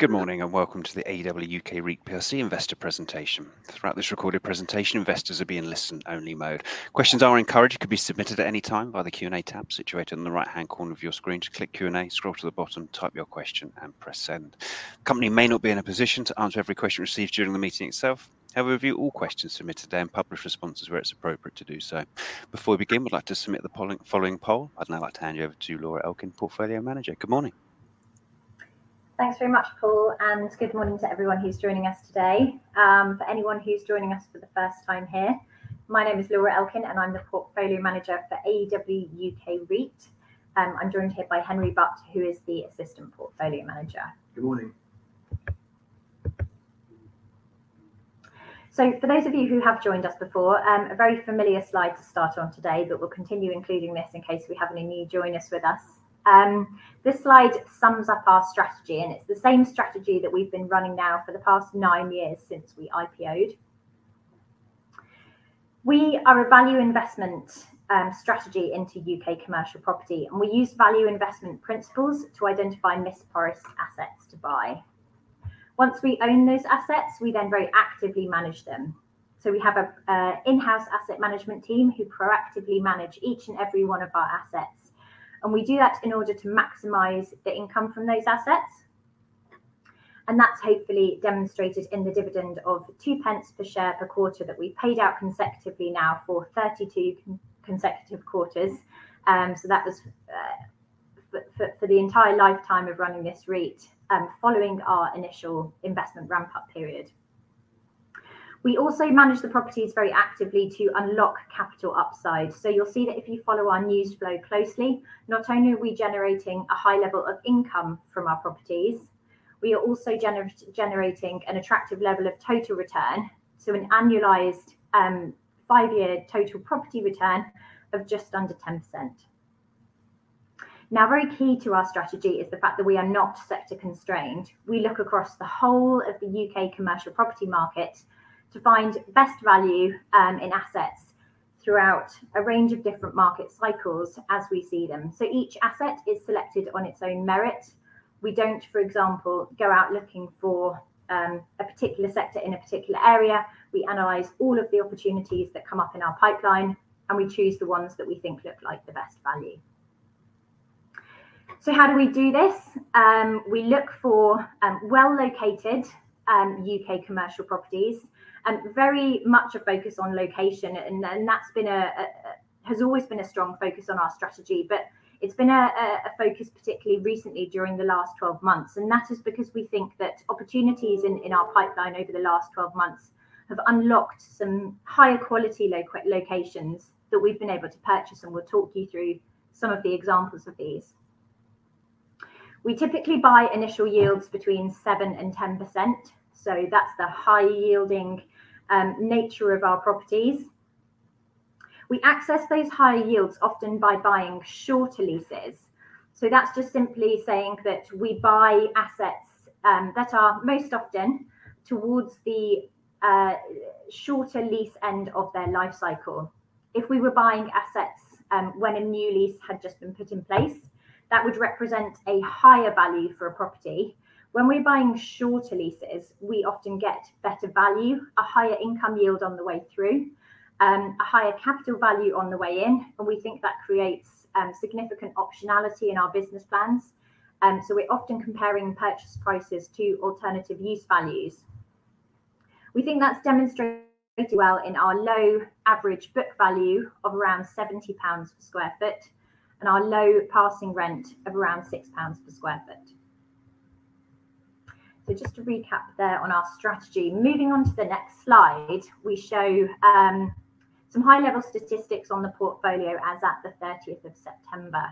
Good morning, and welcome to the AEW UK REIT plc investor presentation. Throughout this recorded presentation, investors will be in listen-only mode. Questions are encouraged and can be submitted at any time by the Q&A tab situated in the right-hand corner of your screen. Just click Q&A, scroll to the bottom, type your question, and press send. The company may not be in a position to answer every question received during the meeting itself. However, we review all questions submitted today and publish responses where it's appropriate to do so. Before we begin, we'd like to submit the following poll. I'd now like to hand you over to Laura Elkin, Portfolio Manager. Good morning. Thanks very much, Paul, and good morning to everyone who's joining us today. For anyone who's joining us for the first time here, my name is Laura Elkin, and I'm the portfolio manager for AEW UK REIT. I'm joined here by Henry Butt, who is the assistant portfolio manager. Good morning. So for those of you who have joined us before, a very familiar slide to start on today, but we'll continue including this in case we have any new joiners with us. This slide sums up our strategy, and it's the same strategy that we've been running now for the past nine years since we IPO'd. We are a value investment strategy into UK commercial property, and we use value investment principles to identify mispriced assets to buy. Once we own those assets, we then very actively manage them. So we have a in-house asset management team who proactively manage each and every one of our assets, and we do that in order to maximize the income from those assets. And that's hopefully demonstrated in the dividend of 0.02 per share per quarter that we've paid out consecutively now for 32 consecutive quarters. So that was for the entire lifetime of running this REIT, following our initial investment ramp-up period. We also manage the properties very actively to unlock capital upside. So you'll see that if you follow our news flow closely, not only are we generating a high level of income from our properties, we are also generating an attractive level of total return, so an annualized five-year total property return of just under 10%. Now, very key to our strategy is the fact that we are not sector constrained. We look across the whole of the UK commercial property market to find best value in assets throughout a range of different market cycles as we see them. So each asset is selected on its own merit. We don't, for example, go out looking for a particular sector in a particular area. We analyze all of the opportunities that come up in our pipeline, and we choose the ones that we think look like the best value. So how do we do this? We look for well-located UK commercial properties and very much a focus on location, and that's been a has always been a strong focus on our strategy, but it's been a focus particularly recently during the last twelve months. And that is because we think that opportunities in our pipeline over the last twelve months have unlocked some higher quality locations that we've been able to purchase, and we'll talk you through some of the examples of these. We typically buy initial yields between 7% and 10%, so that's the high-yielding nature of our properties. We access those higher yields often by buying shorter leases. So that's just simply saying that we buy assets that are most often towards the shorter lease end of their life cycle. If we were buying assets when a new lease had just been put in place, that would represent a higher value for a property. When we're buying shorter leases, we often get better value, a higher income yield on the way through, a higher capital value on the way in, and we think that creates significant optionality in our business plans. So we're often comparing purchase prices to alternative use values. We think that's demonstrated well in our low average book value of around 70 pounds per sq ft and our low passing rent of around 6 pounds per sq ft. So just to recap there on our strategy. Moving on to the next slide, we show some high-level statistics on the portfolio as at 30th of September.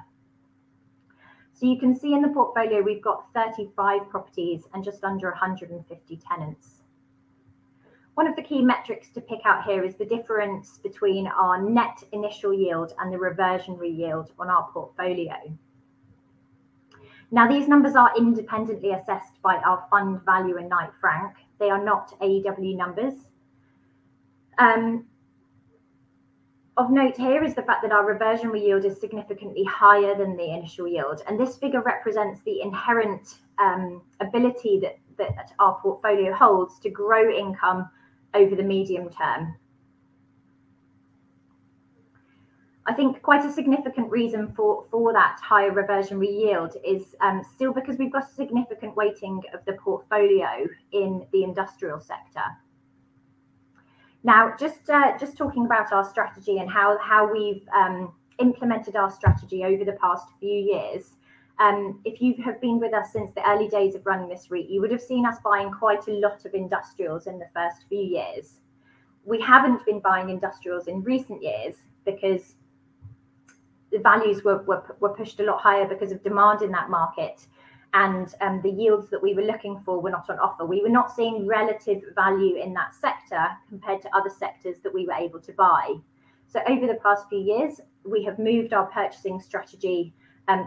So you can see in the portfolio, we've got 35 properties and just under 150 tenants. One of the key metrics to pick out here is the difference between our net initial yield and the reversionary yield on our portfolio. Now, these numbers are independently assessed by our fund valuer, Knight Frank. They are not AEW numbers. Of note here is the fact that our reversionary yield is significantly higher than the initial yield, and this figure represents the inherent ability that our portfolio holds to grow income over the medium term. I think quite a significant reason for that higher reversionary yield is still because we've got a significant weighting of the portfolio in the industrial sector. Now, just talking about our strategy and how we've implemented our strategy over the past few years, if you have been with us since the early days of running this REIT, you would have seen us buying quite a lot of industrials in the first few years. We haven't been buying industrials in recent years because the values were pushed a lot higher because of demand in that market, and the yields that we were looking for were not on offer. We were not seeing relative value in that sector compared to other sectors that we were able to buy. So over the past few years, we have moved our purchasing strategy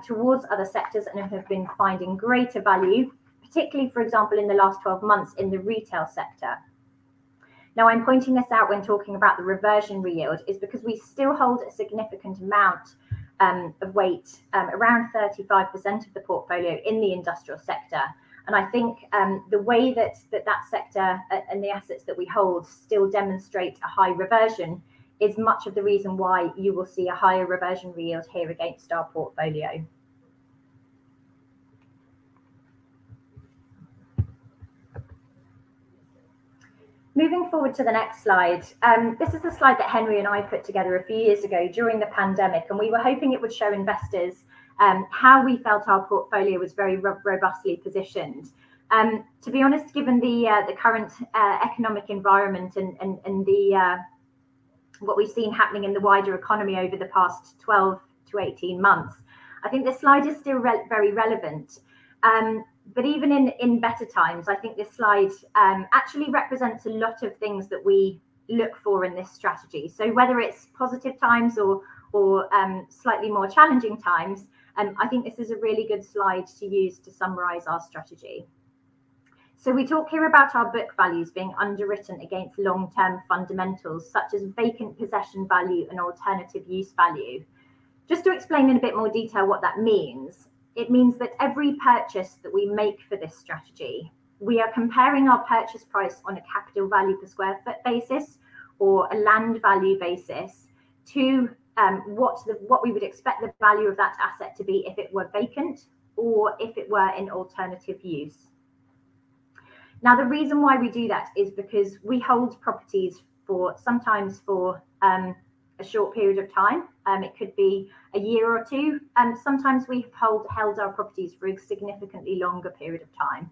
towards other sectors and have been finding greater value, particularly, for example, in the last 12 months in the retail sector. Now, I'm pointing this out when talking about the reversion reyield is because we still hold a significant amount of weight around 35% of the portfolio in the industrial sector. I think the way that that sector and the assets that we hold still demonstrate a high reversion is much of the reason why you will see a higher reversion reyield here against our portfolio. Moving forward to the next slide. This is the slide that Henry and I put together a few years ago during the pandemic, and we were hoping it would show investors how we felt our portfolio was very robustly positioned. To be honest, given the current economic environment and the what we've seen happening in the wider economy over the past 12-18 months, I think this slide is still very relevant. But even in better times, I think this slide actually represents a lot of things that we look for in this strategy. So whether it's positive times or slightly more challenging times, I think this is a really good slide to use to summarize our strategy. So we talk here about our book values being underwritten against long-term fundamentals, such as vacant possession value and alternative use value. Just to explain in a bit more detail what that means, it means that every purchase that we make for this strategy, we are comparing our purchase price on a capital value per square foot basis or a land value basis to what we would expect the value of that asset to be if it were vacant or if it were in alternative use. Now, the reason why we do that is because we hold properties for, sometimes for, a short period of time. It could be a year or two, and sometimes we've held our properties for a significantly longer period of time.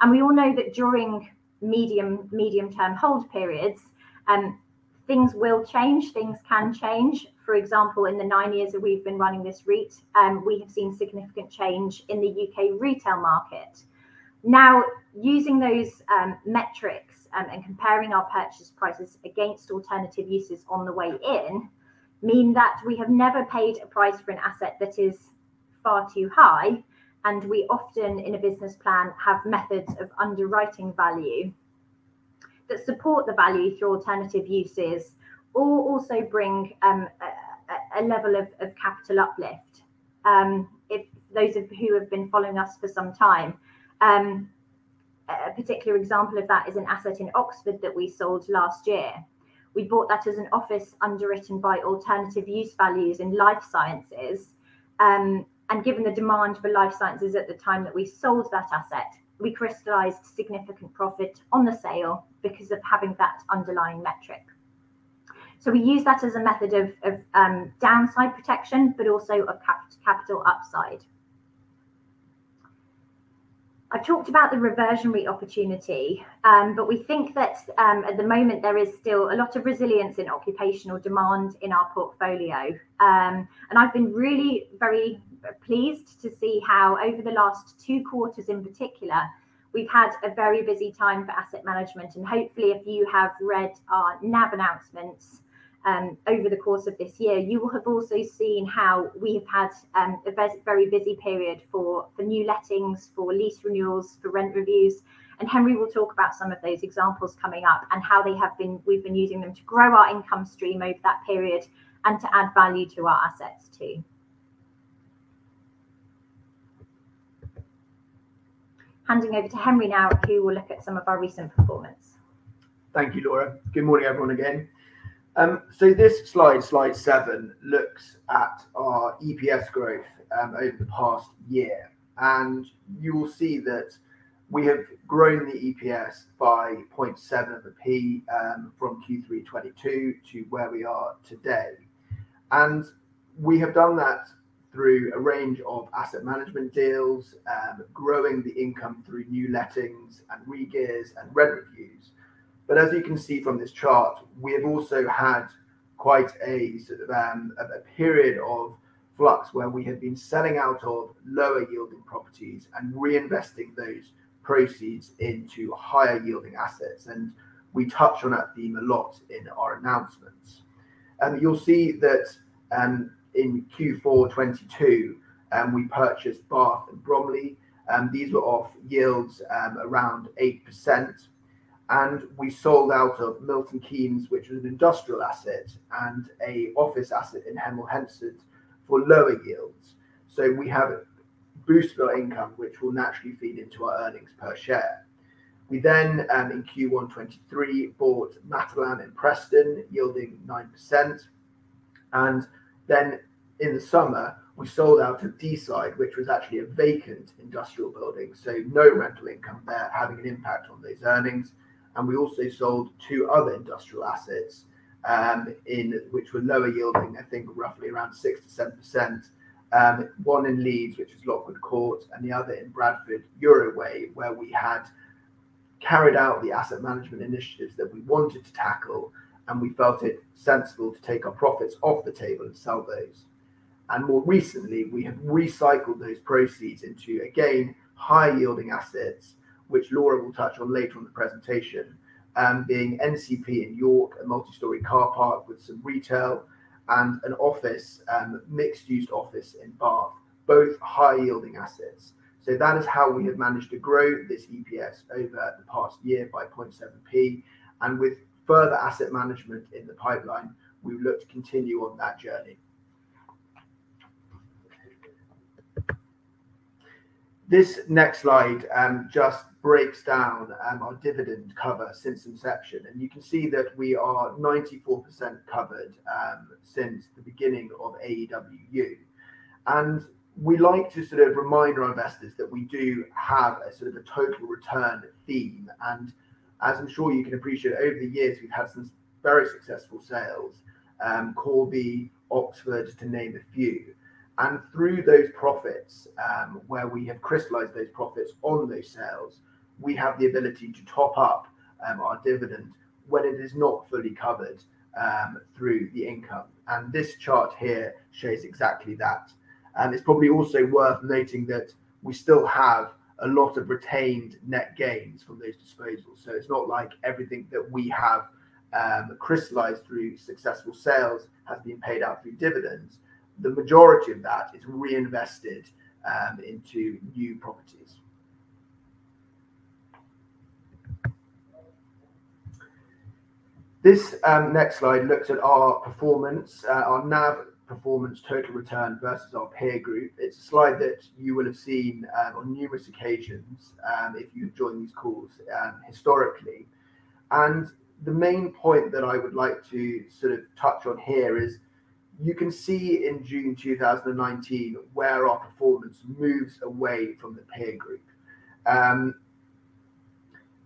And we all know that during medium-term hold periods, things will change, things can change. For example, in the nine years that we've been running this REIT, we have seen significant change in the UK retail market. Now, using those metrics and comparing our purchase prices against alternative uses on the way in mean that we have never paid a price for an asset that is far too high, and we often, in a business plan, have methods of underwriting value that support the value through alternative uses or also bring a level of capital uplift. If those of who have been following us for some time, a particular example of that is an asset in Oxford that we sold last year. We bought that as an office underwritten by alternative use values in life sciences. And given the demand for life sciences at the time that we sold that asset, we crystallized significant profit on the sale because of having that underlying metric. So we use that as a method of downside protection, but also of capital upside. I talked about the reversionary opportunity, but we think that at the moment, there is still a lot of resilience in occupational demand in our portfolio. And I've been really very pleased to see how over the last two quarters in particular, we've had a very busy time for asset management, and hopefully, if you have read our NAV announcements over the course of this year, you will have also seen how we have had a very busy period for new lettings, for lease renewals, for rent reviews. And Henry will talk about some of those examples coming up and how we've been using them to grow our income stream over that period and to add value to our assets, too. Handing over to Henry now, who will look at some of our recent performance. Thank you, Laura. Good morning, everyone, again. So this slide, slide seven, looks at our EPS growth over the past year, and you will see that we have grown the EPS by 0.7p from Q3 2022 to where we are today. And we have done that through a range of asset management deals growing the income through new lettings and regears and rent reviews. But as you can see from this chart, we have also had quite a period of flux where we have been selling out of lower-yielding properties and reinvesting those proceeds into higher-yielding assets, and we touch on that theme a lot in our announcements. You'll see that in Q4 2022, we purchased Bath and Bromley. These were off yields around 8%, and we sold out of Milton Keynes, which was an industrial asset, and an office asset in Hemel Hempstead for lower yields. We have boosted our income, which will naturally feed into our earnings per share. We then, in Q1 2023, bought Matalan in Preston, yielding 9%. In the summer, we sold out to Deeside, which was actually a vacant industrial building, so no rental income there, having an impact on these earnings. We also sold two other industrial assets, which were lower yielding, I think roughly around 6%-7%. One in Leeds, which is Lockwood Court, and the other in Bradford, Euroway, where we had carried out the asset management initiatives that we wanted to tackle, and we felt it sensible to take our profits off the table and sell those. More recently, we have recycled those proceeds into, again, high-yielding assets, which Laura will touch on later in the presentation, being NCP in York, a multi-story car park with some retail and an office, mixed-use office in Bath, both high-yielding assets. That is how we have managed to grow this EPS over the past year by 0.7p. With further asset management in the pipeline, we look to continue on that journey. This next slide just breaks down our dividend cover since inception, and you can see that we are 94% covered since the beginning of AEW UK REIT. We like to sort of remind our investors that we do have a sort of a total return theme. As I'm sure you can appreciate, over the years, we've had some very successful sales, Corby, Oxford, to name a few. Through those profits, where we have crystallized those profits on those sales, we have the ability to top up our dividend when it is not fully covered through the income. This chart here shows exactly that. It's probably also worth noting that we still have a lot of retained net gains from those disposals, so it's not like everything that we have crystallized through successful sales has been paid out through dividends. The majority of that is reinvested into new properties. This next slide looks at our performance, our NAV performance, total return versus our peer group. It's a slide that you will have seen on numerous occasions if you've joined these calls historically. The main point that I would like to sort of touch on here is, you can see in June 2019 where our performance moves away from the peer group.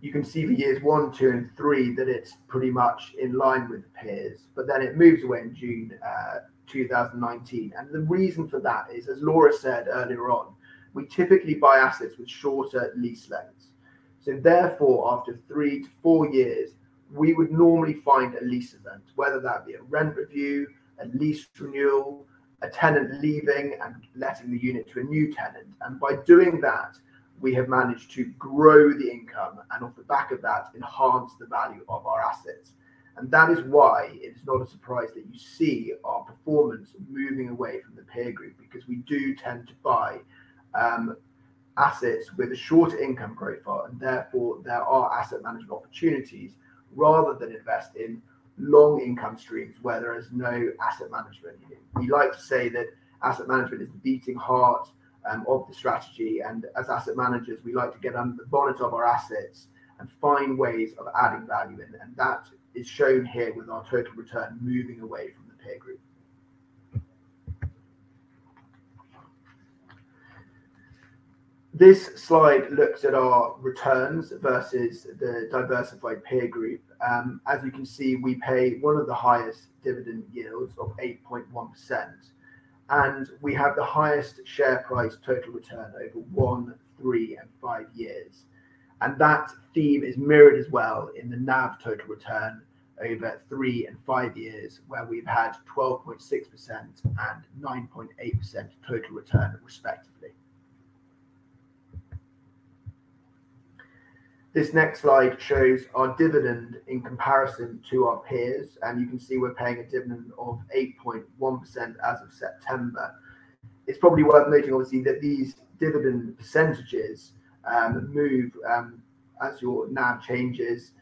You can see the years one, two and, and three that it's pretty much in line with the peers, but then it moves away in June 2019. The reason for that is, as Laura said earlier on, we typically buy assets with shorter lease lengths. So therefore, after three to four years, we would normally find a lease event, whether that be a rent review, a lease renewal, a tenant leaving and letting the unit to a new tenant. By doing that, we have managed to grow the income and, off the back of that, enhance the value of our assets. That is why it's not a surprise that you see our performance moving away from the peer group, because we do tend to buy, assets with a shorter income profile, and therefore, there are asset management opportunities rather than invest in long income streams where there is no asset management. We like to say that asset management is the beating heart, of the strategy, and as asset managers, we like to get under the bonnet of our assets and find ways of adding value in. That is shown here with our total return moving away from the peer group. This slide looks at our returns versus the diversified peer group. As you can see, we pay one of the highest dividend yields of 8.1%, and we have the highest share price total return over one, three, and five years. That theme is mirrored as well in the NAV total return over three and five years, where we've had 12.6% and 9.8% total return, respectively. This next slide shows our dividend in comparison to our peers, and you can see we're paying a dividend of 8.1% as of September. It's probably worth noting, obviously, that these dividend percentages move as your NAV changes.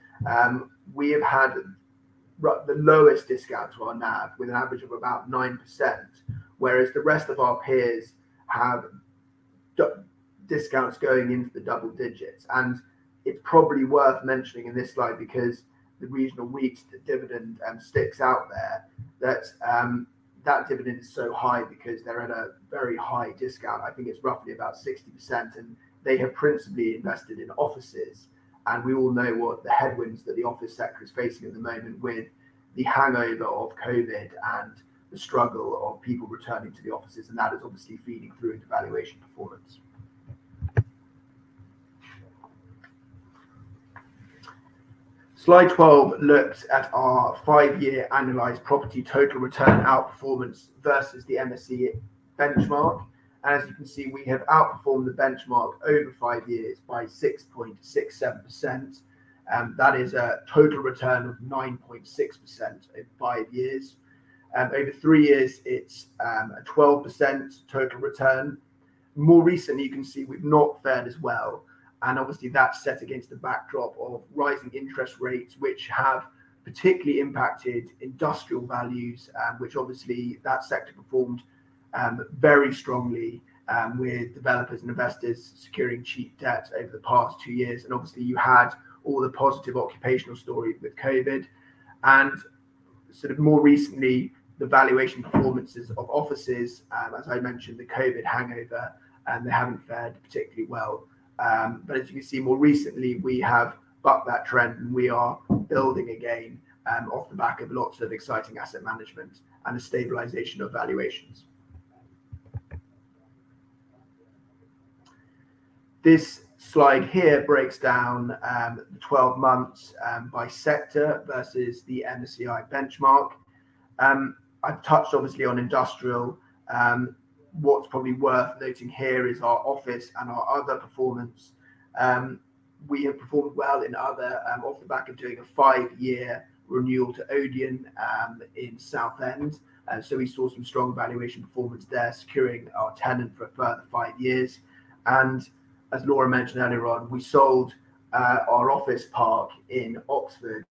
We have had the lowest discount to our NAV, with an average of about 9%, whereas the rest of our peers have discounts going into the double digits. It's probably worth mentioning in this slide, because the regional REITs, the dividend sticks out there, that dividend is so high because they're at a very high discount. I think it's roughly about 60%, and they have principally invested in offices. We all know what the headwinds that the office sector is facing at the moment with the hangover of COVID and the struggle of people returning to the offices, and that is obviously feeding through into valuation performance. Slide 12 looks at our five-year annualized property total return outperformance versus the MSCI benchmark. As you can see, we have outperformed the benchmark over five years by 6.67%, that is a total return of 9.6% in five years. Over three years, it's a 12% total return. More recently, you can see we've not fared as well, and obviously, that's set against the backdrop of rising interest rates, which have particularly impacted industrial values, which obviously that sector performed very strongly with developers and investors securing cheap debt over the past two years. And obviously, you had all the positive occupational story with COVID, and sort of more recently, the valuation performances of offices, as I mentioned, the COVID hangover, they haven't fared particularly well. But as you can see, more recently, we have bucked that trend, and we are building again off the back of lots of exciting asset management and the stabilization of valuations. This slide here breaks down the 12 months by sector versus the MSCI benchmark. I've touched obviously on industrial. What's probably worth noting here is our office and our other performance. We have performed well in other, off the back of doing a five-year renewal to Odeon, in Southend. So we saw some strong valuation performance there, securing our tenant for a further five years. As Laura mentioned earlier on, we sold our office park in Oxford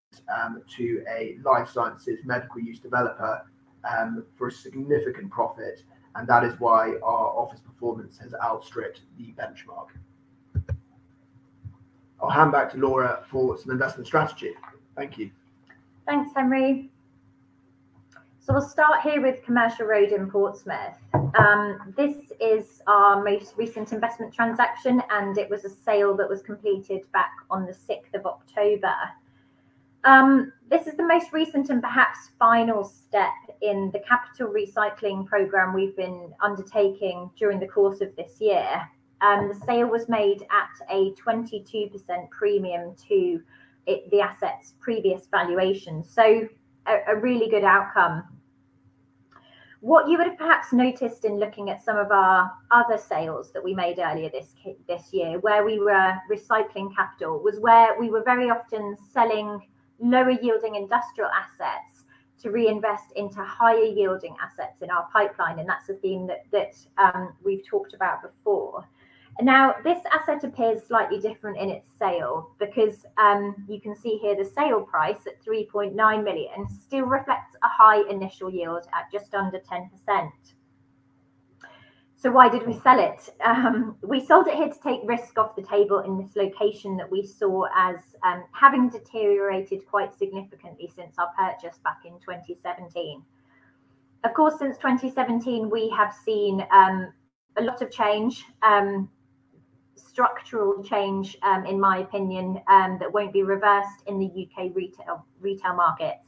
to a life sciences medical use developer for a significant profit, and that is why our office performance has outstripped the benchmark. I'll hand back to Laura for some investment strategy. Thank you. Thanks, Henry. We'll start here with Commercial Road in Portsmouth. This is our most recent investment transaction, and it was a sale that was completed back on the sixth of October. This is the most recent and perhaps final step in the capital recycling program we've been undertaking during the course of this year. The sale was made at a 22% premium to the asset's previous valuation. A really good outcome. What you would have perhaps noticed in looking at some of our other sales that we made earlier this year, where we were recycling capital, was where we were very often selling lower-yielding industrial assets to reinvest into higher-yielding assets in our pipeline, and that's a theme that we've talked about before. Now, this asset appears slightly different in its sale because you can see here the sale price at 3.9 million still reflects a high initial yield at just under 10%. So why did we sell it? We sold it here to take risk off the table in this location that we saw as having deteriorated quite significantly since our purchase back in 2017. Of course, since 2017, we have seen a lot of change, structural change, in my opinion, that won't be reversed in the UK retail markets.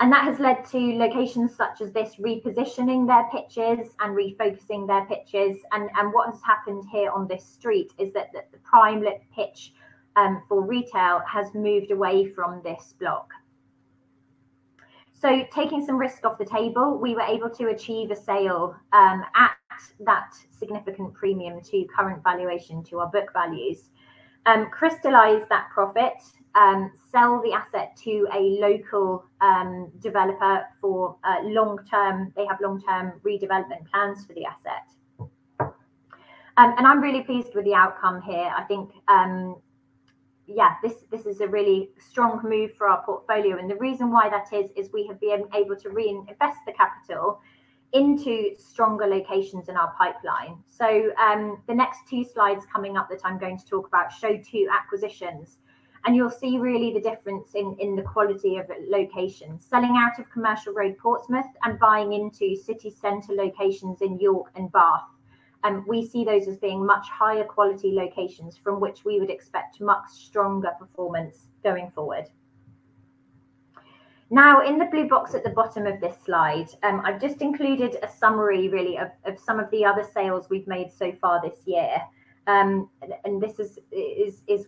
And that has led to locations such as this, repositioning their pitches and refocusing their pitches. And what has happened here on this street is that the prime retail pitch for retail has moved away from this block. So taking some risk off the table, we were able to achieve a sale at that significant premium to current valuation, to our book values. Crystallize that profit, sell the asset to a local developer for long-term. They have long-term redevelopment plans for the asset. And I'm really pleased with the outcome here. I think, yeah, this, this is a really strong move for our portfolio. And the reason why that is, is we have been able to reinvest the capital into stronger locations in our pipeline. So, the next two slides coming up that I'm going to talk about show two acquisitions, and you'll see really the difference in the quality of location. Selling out of Commercial Road, Portsmouth, and buying into city center locations in York and Bath. We see those as being much higher quality locations from which we would expect much stronger performance going forward. Now, in the blue box at the bottom of this slide, I've just included a summary really, of some of the other sales we've made so far this year. And this is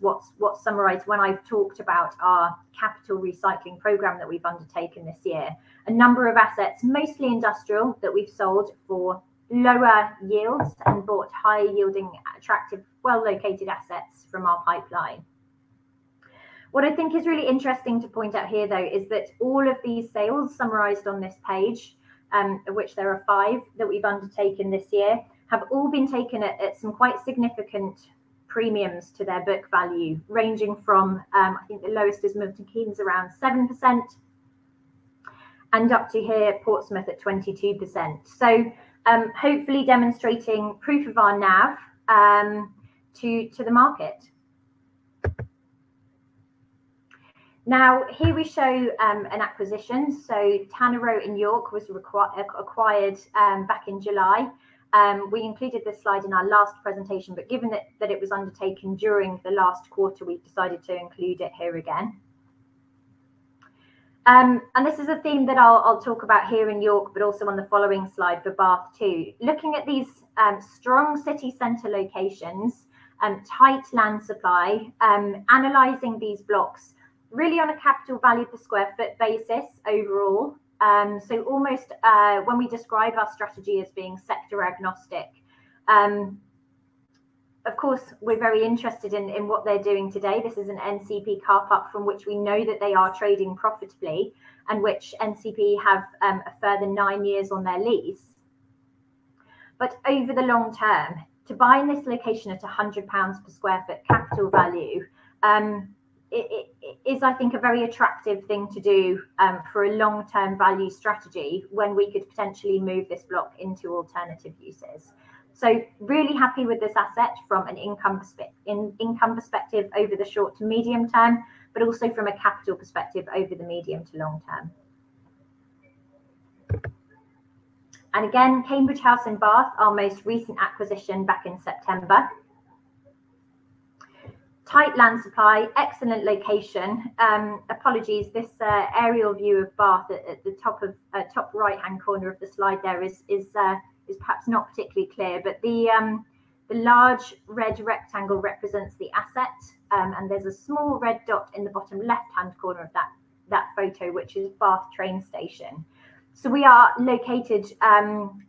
what's summarized when I've talked about our capital recycling program that we've undertaken this year. A number of assets, mostly industrial, that we've sold for lower yields and bought higher-yielding, attractive, well-located assets from our pipeline. What I think is really interesting to point out here, though, is that all of these sales summarized on this page, of which there are five that we've undertaken this year, have all been taken at some quite significant premiums to their book value, ranging from, I think the lowest is Milton Keynes, around 7%, and up to here, Portsmouth, at 22%. So, hopefully demonstrating proof of our NAV to the market. Now, here we show an acquisition. So Tanner Row in York was acquired back in July. We included this slide in our last presentation but given that it was undertaken during the last quarter, we've decided to include it here again. And this is a theme that I'll talk about here in York, but also on the following slide for Bath, too. Looking at these strong city center locations, tight land supply, analyzing these blocks really on a capital value per sq ft basis overall. So almost, when we describe our strategy as being sector agnostic, of course, we're very interested in what they're doing today. This is an NCP car park from which we know that they are trading profitably and which NCP have a further nine years on their lease. But over the long term, to buy in this location at 100 pounds per sq ft capital value, it, it, is, I think, a very attractive thing to do, for a long-term value strategy when we could potentially move this block into alternative uses. So really happy with this asset from an income perspective over the short to medium term, but also from a capital perspective over the medium to long term. And again, Cambridge House in Bath, our most recent acquisition back in September. Tight land supply, excellent location. Apologies, this aerial view of Bath at the top right-hand corner of the slide there is perhaps not particularly clear. But the large red rectangle represents the asset, and there's a small red dot in the bottom left-hand corner of that photo, which is Bath Train Station. So we are located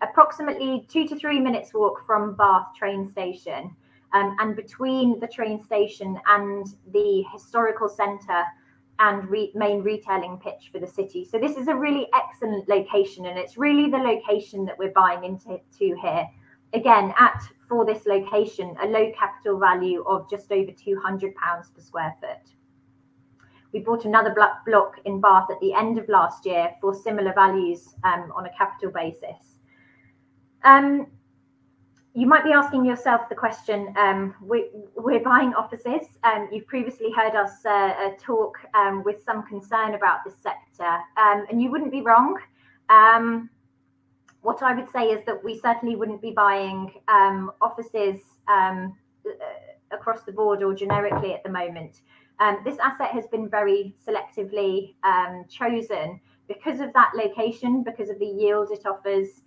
approximately two to three minutes walk from Bath Train Station. And between the train station and the historical center and remaining retailing pitch for the city. So this is a really excellent location, and it's really the location that we're buying into here. Again, for this location, a low capital value of just over 200 pounds per sq ft. We bought another block in Bath at the end of last year for similar values, on a capital basis. You might be asking yourself the question, we're buying offices? You've previously heard us talk with some concern about this sector. And you wouldn't be wrong. What I would say is that we certainly wouldn't be buying offices across the board or generically at the moment. This asset has been very selectively chosen because of that location, because of the yield it offers,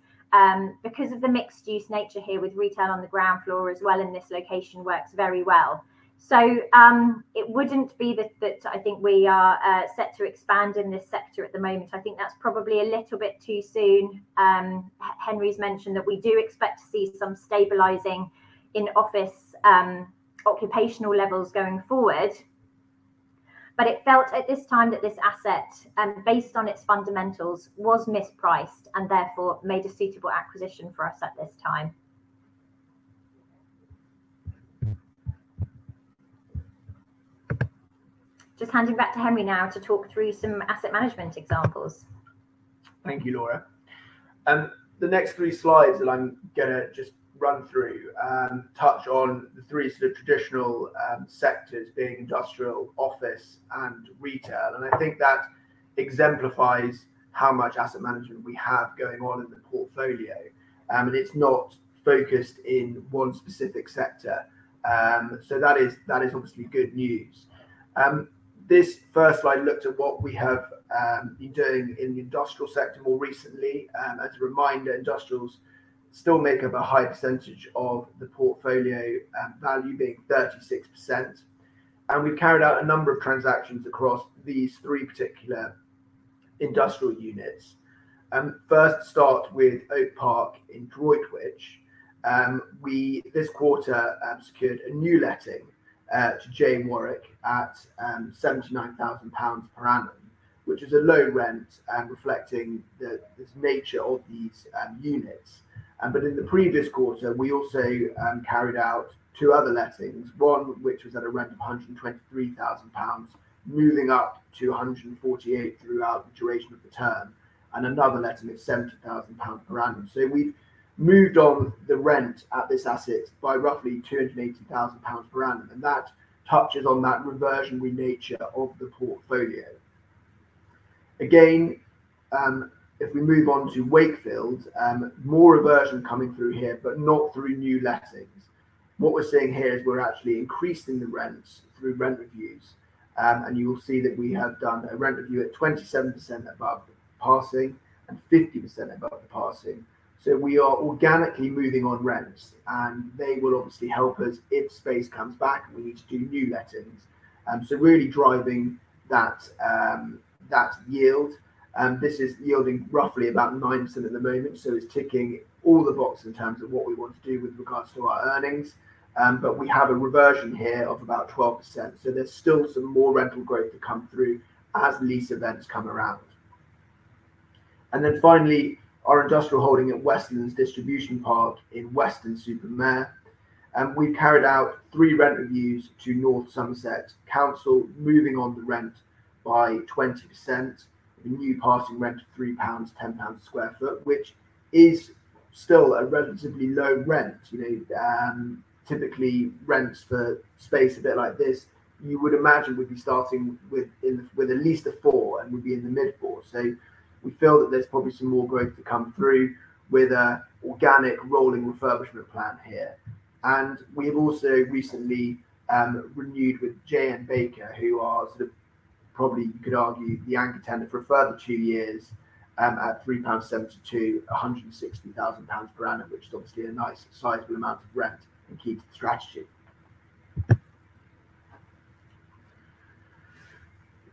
because of the mixed-use nature here with retail on the ground floor as well, and this location works very well. So, it wouldn't be that I think we are set to expand in this sector at the moment. I think that's probably a little bit too soon. Henry's mentioned that we do expect to see some stabilizing in office occupational levels going forward. But it felt at this time that this asset, based on its fundamentals, was mispriced and therefore made a suitable acquisition for us at this time. Just handing back to Henry now to talk through some asset management examples. Thank you, Laura. The next three slides that I'm gonna just run through touch on the three sort of traditional sectors, being industrial, office, and retail. And I think that exemplifies how much asset management we have going on in the portfolio. And it's not focused in one specific sector. So that is, that is obviously good news. This first slide looked at what we have been doing in the industrial sector more recently. As a reminder, industrials still make up a high percentage of the portfolio value being 36%. And we've carried out a number of transactions across these three particular industrial units. First start with Oak Park in Droitwich. We this quarter secured a new letting to J Warwick at 79,000 pounds per annum, which is a low rent, reflecting the nature of these units. But in the previous quarter, we also carried out two other lettings, one of which was at a rent of 123,000 pounds, moving up to 148,000 throughout the duration of the term, and another letting at 70,000 pounds per annum. So we've moved on the rent at this asset by roughly 280,000 pounds per annum, and that touches on that reversionary nature of the portfolio. Again, if we move on to Wakefield, more reversion coming through here, but not through new lettings. What we're seeing here is we're actually increasing the rents through rent reviews. You will see that we have done a rent review at 27% above passing and 50% above the passing. So we are organically moving on rents, and they will obviously help us if space comes back and we need to do new lettings. So really driving that, that yield. This is yielding roughly about 9% at the moment, so it's ticking all the boxes in terms of what we want to do with regards to our earnings. But we have a reversion here of about 12%, so there's still some more rental growth to come through as lease events come around. And then finally, our industrial holding at Westlands Distribution Park in Weston-super-Mare. We've carried out three rent reviews to North Somerset Council, moving on the rent by 20%. The new passing rent, 3.10 pounds per sq ft, which is still a relatively low rent. You know, typically, rents for space a bit like this, you would imagine, would be starting with with at least a 4 and would be in the mid 4. So we feel that there's probably some more growth to come through with a organic rolling refurbishment plan here. And we have also recently renewed with JN Baker, who are sort of probably, you could argue, the anchor tenant for a further two years, at 3.72 pounds, 160,000 pounds per annum, which is obviously a nice sizable amount of rent and key to the strategy.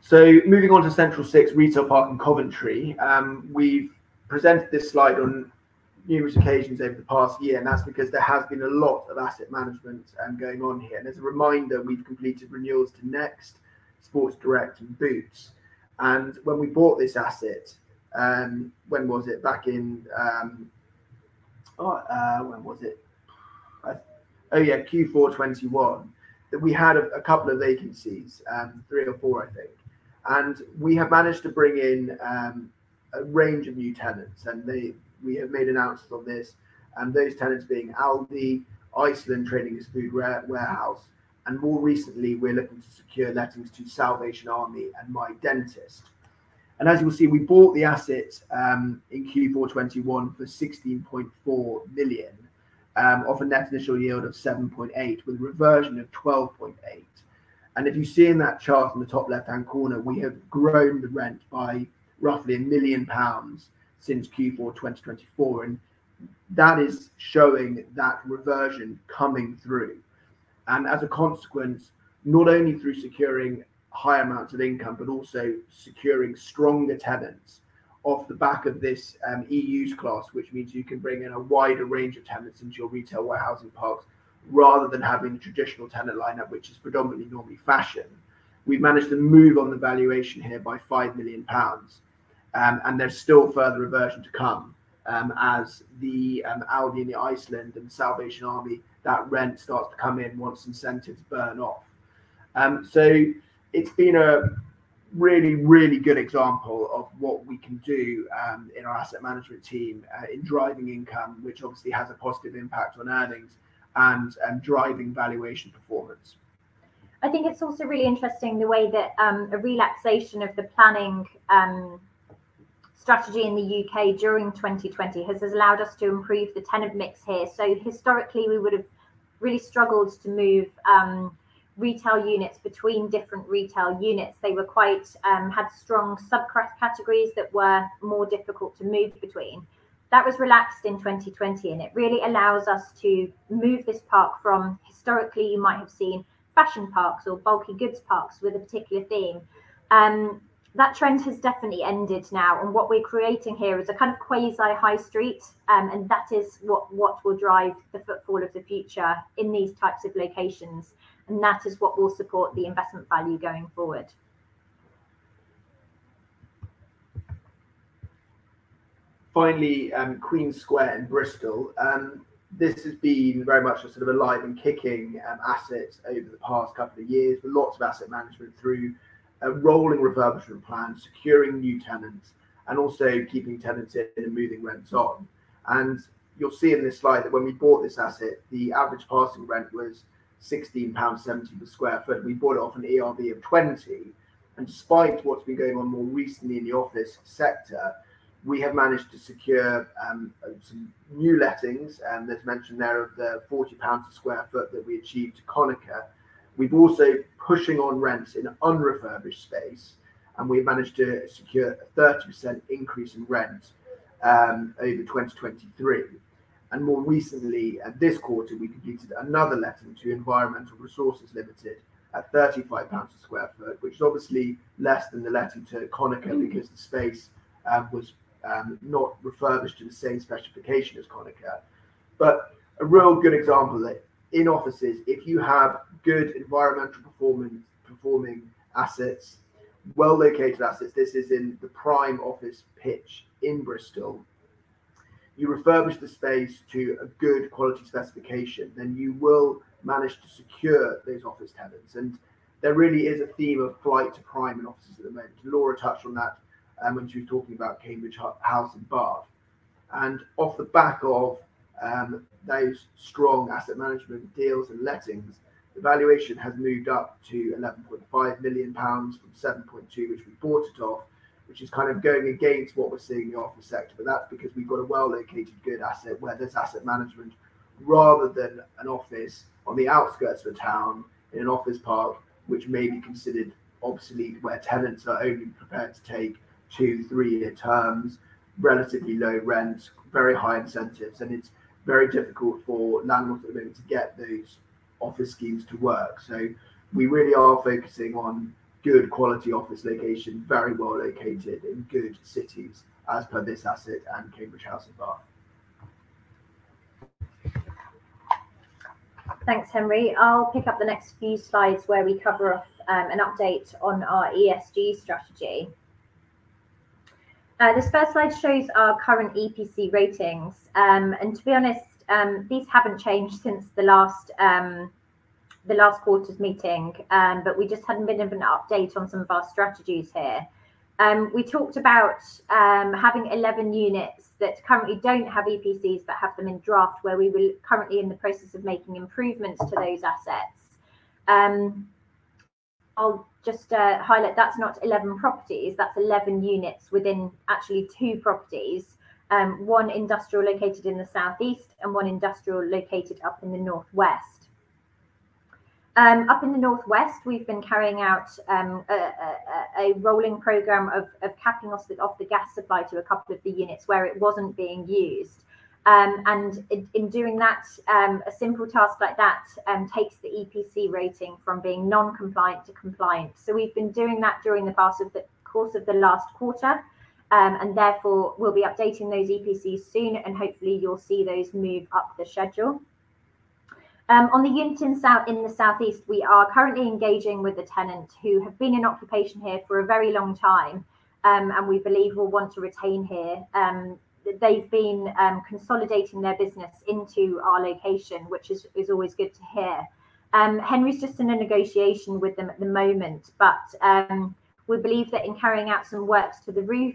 So moving on to Central Six Retail Park in Coventry. We've presented this slide on numerous occasions over the past year, and that's because there has been a lot of asset management going on here. As a reminder, we've completed renewals to Next, Sports Direct, and Boots. And when we bought this asset, back in Q4 2021, we had a couple of vacancies, three or four, I think. And we have managed to bring in a range of new tenants, and we have made announcements on this, and those tenants being Aldi, Iceland trading as Food Warehouse, and more recently, we're looking to secure lettings to Salvation Army and My Dentist. As you will see, we bought the asset in Q4 2021 for 16.4 million off a net initial yield of 7.8%, with a reversion of 12.8%. And if you see in that chart in the top left-hand corner, we have grown the rent by roughly 1 million pounds since Q4 2024, and that is showing that reversion coming through. And as a consequence, not only through securing high amounts of income, but also securing stronger tenants off the back of this E class, which means you can bring in a wider range of tenants into your retail warehousing parks, rather than having a traditional tenant line-up, which is predominantly normally fashion. We've managed to move on the valuation here by 5 million pounds, and there's still further reversion to come, as the Aldi, and the Iceland, and the Salvation Army, that rent starts to come in once incentives burn off. So it's been a really, really good example of what we can do, in our asset management team, in driving income, which obviously has a positive impact on earnings and, driving valuation performance. I think it's also really interesting the way that, a relaxation of the planning, strategy in the UK during 2020 has allowed us to improve the tenant mix here. So historically, we would've really struggled to move, retail units between different retail units. They were quite, had strong sub-categories that were more difficult to move between. That was relaxed in 2020, and it really allows us to move this park from, historically, you might have seen fashion parks or bulky goods parks with a particular theme. That trend has definitely ended now, and what we're creating here is a kind of quasi high street, and that is what will drive the footfall of the future in these types of locations, and that is what will support the investment value going forward. Finally, Queen Square in Bristol. This has been very much a sort of alive and kicking asset over the past couple of years, with lots of asset management through a rolling refurbishment plan, securing new tenants, and also keeping tenants in and moving rents on. And you'll see in this slide that when we bought this asset, the average passing rent was 16.70 pounds per sq ft. We bought it off an ERV of 20, and despite what's been going on more recently in the office sector, we have managed to secure some new lettings. And there's mention there of the 40 pounds per sq ft that we achieved to Konica. We've also pushing on rents in an unrefurbished space, and we've managed to secure a 30% increase in rent over 2023. More recently, at this quarter, we completed another letting to Environmental Resources Limited at 35 pounds sq ft, which is obviously less than the letting to Konica because the space was not refurbished to the same specification as Konica. But a real good example that in offices, if you have good environmental performing assets, well-located assets, this is in the prime office pitch in Bristol. You refurbish the space to a good quality specification, then you will manage to secure those office tenants. And there really is a theme of flight to prime in offices at the moment. Laura touched on that, when she was talking about Cambridge House in Bath. And off the back of those strong asset management deals and lettings, the valuation has moved up to 11.5 million pounds from 7.2 million, which we bought it off, which is kind of going against what we're seeing in the office sector. But that's because we've got a well-located, good asset where there's asset management, rather than an office on the outskirts of a town in an office park, which may be considered obsolete, where tenants are only prepared to take 2-3-year terms, relatively low rent, very high incentives, and it's very difficult for landlords at the moment to get those office schemes to work. So we really are focusing on good quality office location, very well located in good cities, as per this asset and Cambridge House in Bath. Thanks, Henry. I'll pick up the next few slides where we cover off an update on our ESG strategy. This first slide shows our current EPC ratings. To be honest, these haven't changed since the last quarter's meeting. But we just hadn't been able to update on some of our strategies here. We talked about having 11 units that currently don't have EPCs but have them in draft, where we were currently in the process of making improvements to those assets. I'll just highlight, that's not 11 properties, that's 11 units within actually two properties. One industrial located in the Southeast and one industrial located up in the Northwest. Up in the Northwest, we've been carrying out a rolling program of capping off the gas supply to a couple of the units where it wasn't being used. In doing that, a simple task like that takes the EPC rating from being non-compliant to compliant. We've been doing that during the course of the last quarter, and therefore, we'll be updating those EPCs soon, and hopefully, you'll see those move up the schedule. On the unit in South, in the Southeast, we are currently engaging with a tenant who have been in occupation here for a very long time, and we believe will want to retain here. They've been consolidating their business into our location, which is always good to hear. Henry's just in a negotiation with them at the moment, but we believe that in carrying out some works to the roof,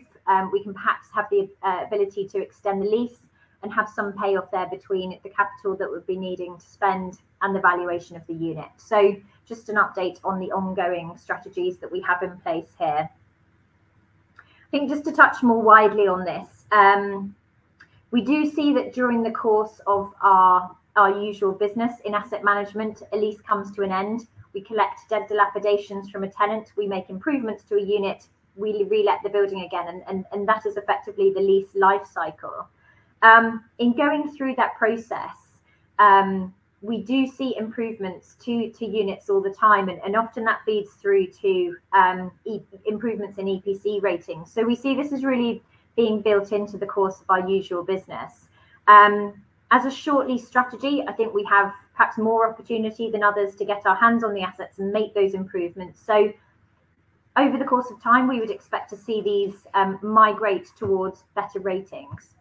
we can perhaps have the ability to extend the lease and have some payoff there between the capital that we'll be needing to spend and the valuation of the unit. So just an update on the ongoing strategies that we have in place here. I think just to touch more widely on this, we do see that during the course of our usual business in asset management, a lease comes to an end. We collect debt dilapidations from a tenant, we make improvements to a unit, we relet the building again, and that is effectively the lease life cycle. In going through that process-... We do see improvements to units all the time, and often that feeds through to improvements in EPC ratings. So we see this as really being built into the course of our usual business. As a short lease strategy, I think we have perhaps more opportunity than others to get our hands on the assets and make those improvements. So over the course of time, we would expect to see these migrate towards better ratings.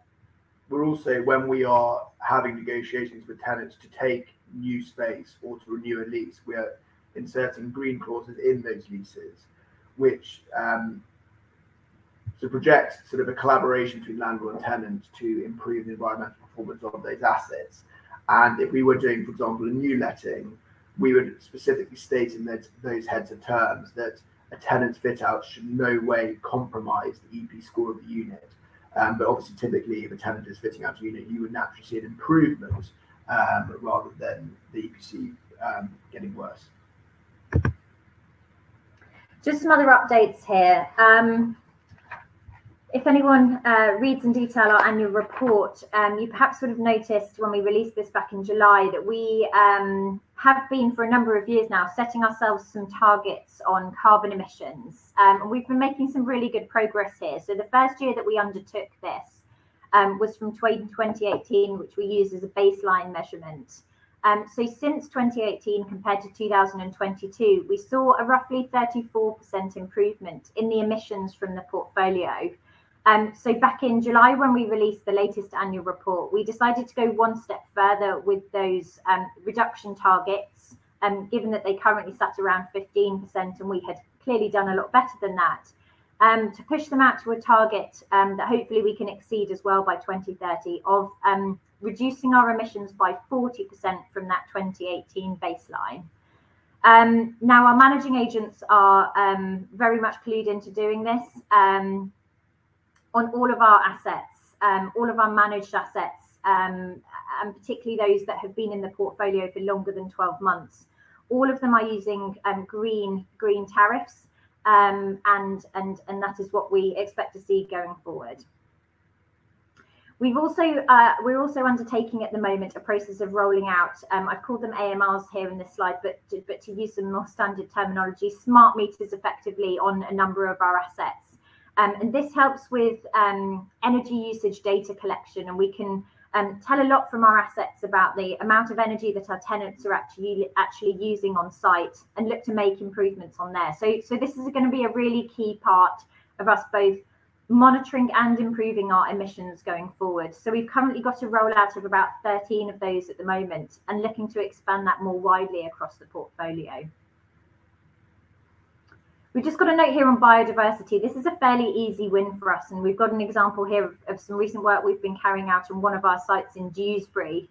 We're also, when we are having negotiations with tenants to take new space or to renew a lease, we are inserting green clauses in those leases, which, to project sort of a collaboration between landlord and tenant to improve the environmental performance of those assets. And if we were doing, for example, a new letting, we would specifically state in those heads of terms that a tenant's fit out should in no way compromise the EPC score of the unit. But obviously, typically, if a tenant is fitting out a unit, you would naturally see an improvement, rather than the EPC getting worse. Just some other updates here. If anyone reads in detail our annual report, you perhaps would have noticed when we released this back in July, that we have been, for a number of years now, setting ourselves some targets on carbon emissions. We've been making some really good progress here. The first year that we undertook this was from 2018, which we use as a baseline measurement. Since 2018 compared to 2022, we saw a roughly 34% improvement in the emissions from the portfolio. Back in July, when we released the latest annual report, we decided to go one step further with those reduction targets, given that they currently sat around 15%, and we had clearly done a lot better than that. To push them out to a target that hopefully we can exceed as well by 2030, of reducing our emissions by 40% from that 2018 baseline. Now, our managing agents are very much clued into doing this on all of our assets, all of our managed assets, and particularly those that have been in the portfolio for longer than 12 months. All of them are using green tariffs, and that is what we expect to see going forward. We're also undertaking at the moment a process of rolling out, I've called them AMRs here in this slide, but to use some more standard terminology, smart meters effectively on a number of our assets. This helps with energy usage data collection, and we can tell a lot from our assets about the amount of energy that our tenants are actually, actually using on site and look to make improvements on there. This is gonna be a really key part of us both monitoring and improving our emissions going forward. We've currently got a rollout of about 13 of those at the moment and looking to expand that more widely across the portfolio. We've just got a note here on biodiversity. This is a fairly easy win for us, and we've got an example here of some recent work we've been carrying out on one of our sites in Dewsbury.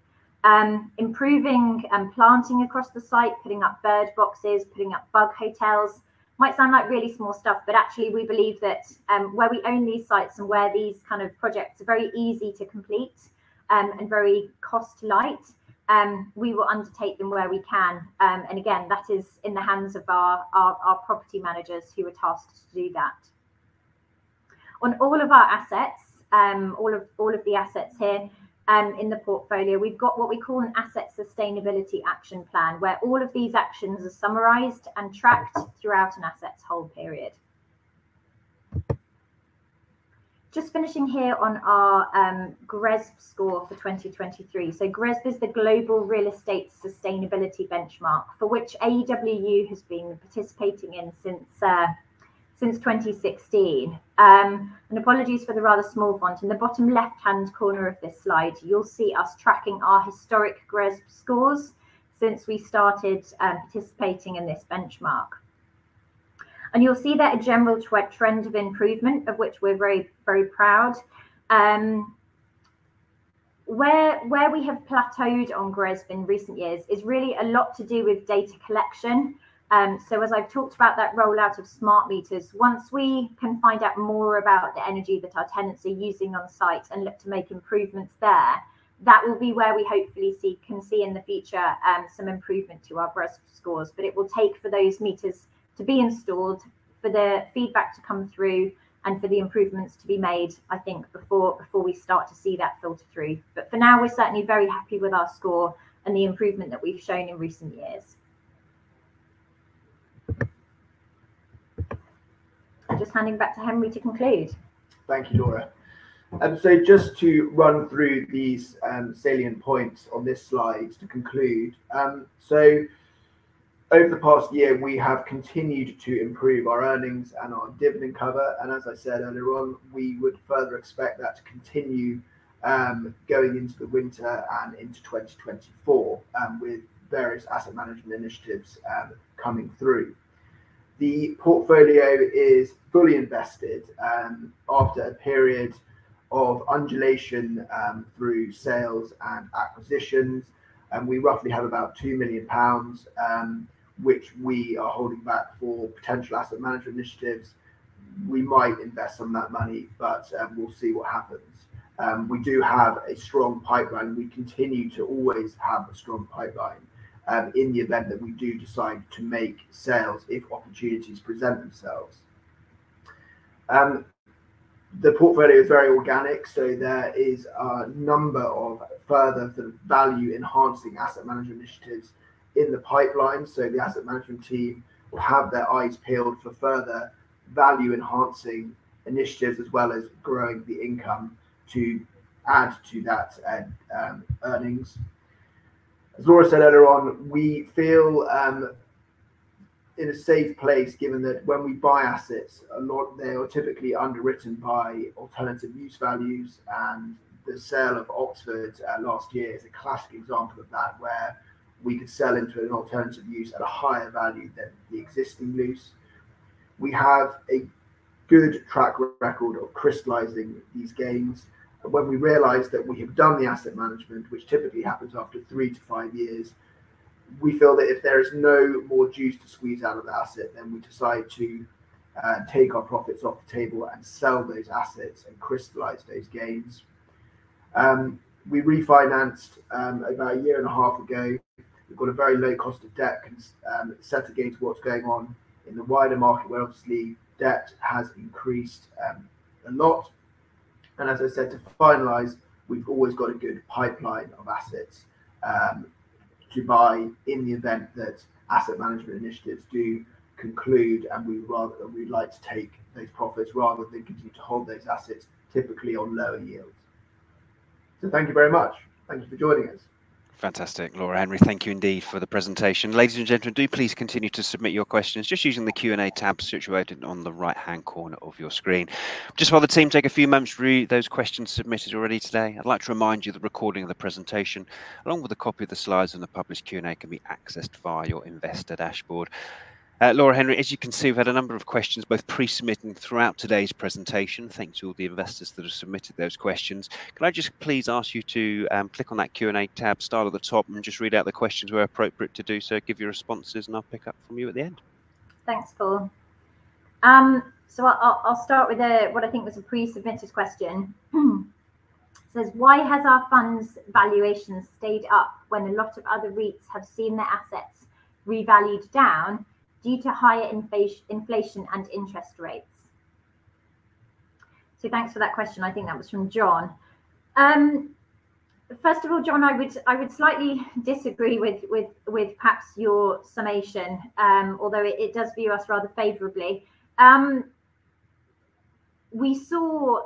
Improving and planting across the site, putting up bird boxes, putting up bug hotels, might sound like really small stuff, but actually, we believe that, where we own these sites and where these kind of projects are very easy to complete, and very cost light, we will undertake them where we can. And again, that is in the hands of our property managers who are tasked to do that. On all of our assets, all of the assets here, in the portfolio, we've got what we call an Asset Sustainability Action Plan, where all of these actions are summarized and tracked throughout an asset's whole period. Just finishing here on our GRESB score for 2023. So GRESB is the Global Real Estate Sustainability Benchmark, for which AEW has been participating in since 2016. Apologies for the rather small font. In the bottom left-hand corner of this slide, you'll see us tracking our historic GRESB scores since we started participating in this benchmark. You'll see there a general trend of improvement, of which we're very, very proud. Where we have plateaued on GRESB in recent years is really a lot to do with data collection. So as I've talked about that rollout of smart meters, once we can find out more about the energy that our tenants are using on site and look to make improvements there, that will be where we hopefully see in the future some improvement to our GRESB scores. But it will take for those meters to be installed, for the feedback to come through, and for the improvements to be made, I think before we start to see that filter through. But for now, we're certainly very happy with our score and the improvement that we've shown in recent years. Just handing back to Henry to conclude. Thank you, Laura. So just to run through these salient points on this slide to conclude. So over the past year, we have continued to improve our earnings and our dividend cover, and as I said earlier on, we would further expect that to continue, going into the winter and into 2024, with various asset management initiatives coming through. The portfolio is fully invested, after a period of undulation, through sales and acquisitions, and we roughly have about 2 million pounds, which we are holding back for potential asset management initiatives. We might invest some of that money, but we'll see what happens. We do have a strong pipeline. We continue to always have a strong pipeline, in the event that we do decide to make sales if opportunities present themselves. The portfolio is very organic, so there is a number of further value-enhancing asset management initiatives in the pipeline. So the asset management team will have their eyes peeled for further value-enhancing initiatives, as well as growing the income to add to that, earnings. As Laura said earlier on, we feel in a safe place, given that when we buy assets, a lot, they are typically underwritten by alternative use values, and the sale of Oxford last year is a classic example of that, where we could sell into an alternative use at a higher value than the existing lease. We have a good track record of crystallizing these gains. When we realize that we have done the asset management, which typically happens after 3-5 years, we feel that if there is no more juice to squeeze out of the asset, then we decide to take our profits off the table and sell those assets and crystallize those gains. We refinanced about 1.5 years ago. We've got a very low cost of debt, set against what's going on in the wider market, where obviously debt has increased a lot. As I said, to finalize, we've always got a good pipeline of assets to buy in the event that asset management initiatives do conclude, and we'd like to take those profits rather than continue to hold those assets, typically on lower yields. Thank you very much. Thank you for joining us. Fantastic. Laura, Henry, thank you indeed for the presentation. Ladies and gentlemen, do please continue to submit your questions just using the Q&A tab situated on the right-hand corner of your screen. Just while the team take a few moments to read those questions submitted already today, I'd like to remind you that the recording of the presentation, along with a copy of the slides and the published Q&A, can be accessed via your investor dashboard. Laura, Henry, as you can see, we've had a number of questions, both pre-submitted and throughout today's presentation. Thanks to all the investors that have submitted those questions. Can I just please ask you to click on that Q&A tab star at the top and just read out the questions where appropriate to do so, give your responses, and I'll pick up from you at the end. Thanks, Paul. So I'll start with what I think was a pre-submitted question. It says, "Why has our fund's valuation stayed up when a lot of other REITs have seen their assets revalued down due to higher inflation and interest rates?" Thanks for that question. I think that was from John. First of all, John, I would slightly disagree with perhaps your summation, although it does view us rather favorably. We saw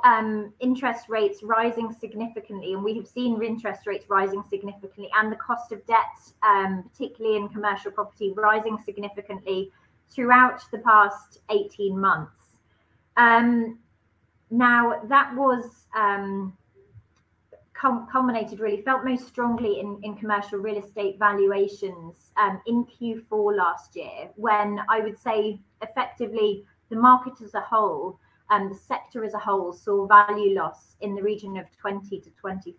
interest rates rising significantly, and we have seen interest rates rising significantly and the cost of debt, particularly in commercial property, rising significantly throughout the past 18 months. Now, that was culminated, really, felt most strongly in commercial real estate valuations in Q4 last year, when I would say, effectively, the market as a whole, the sector as a whole, saw value loss in the region of 20%-25%.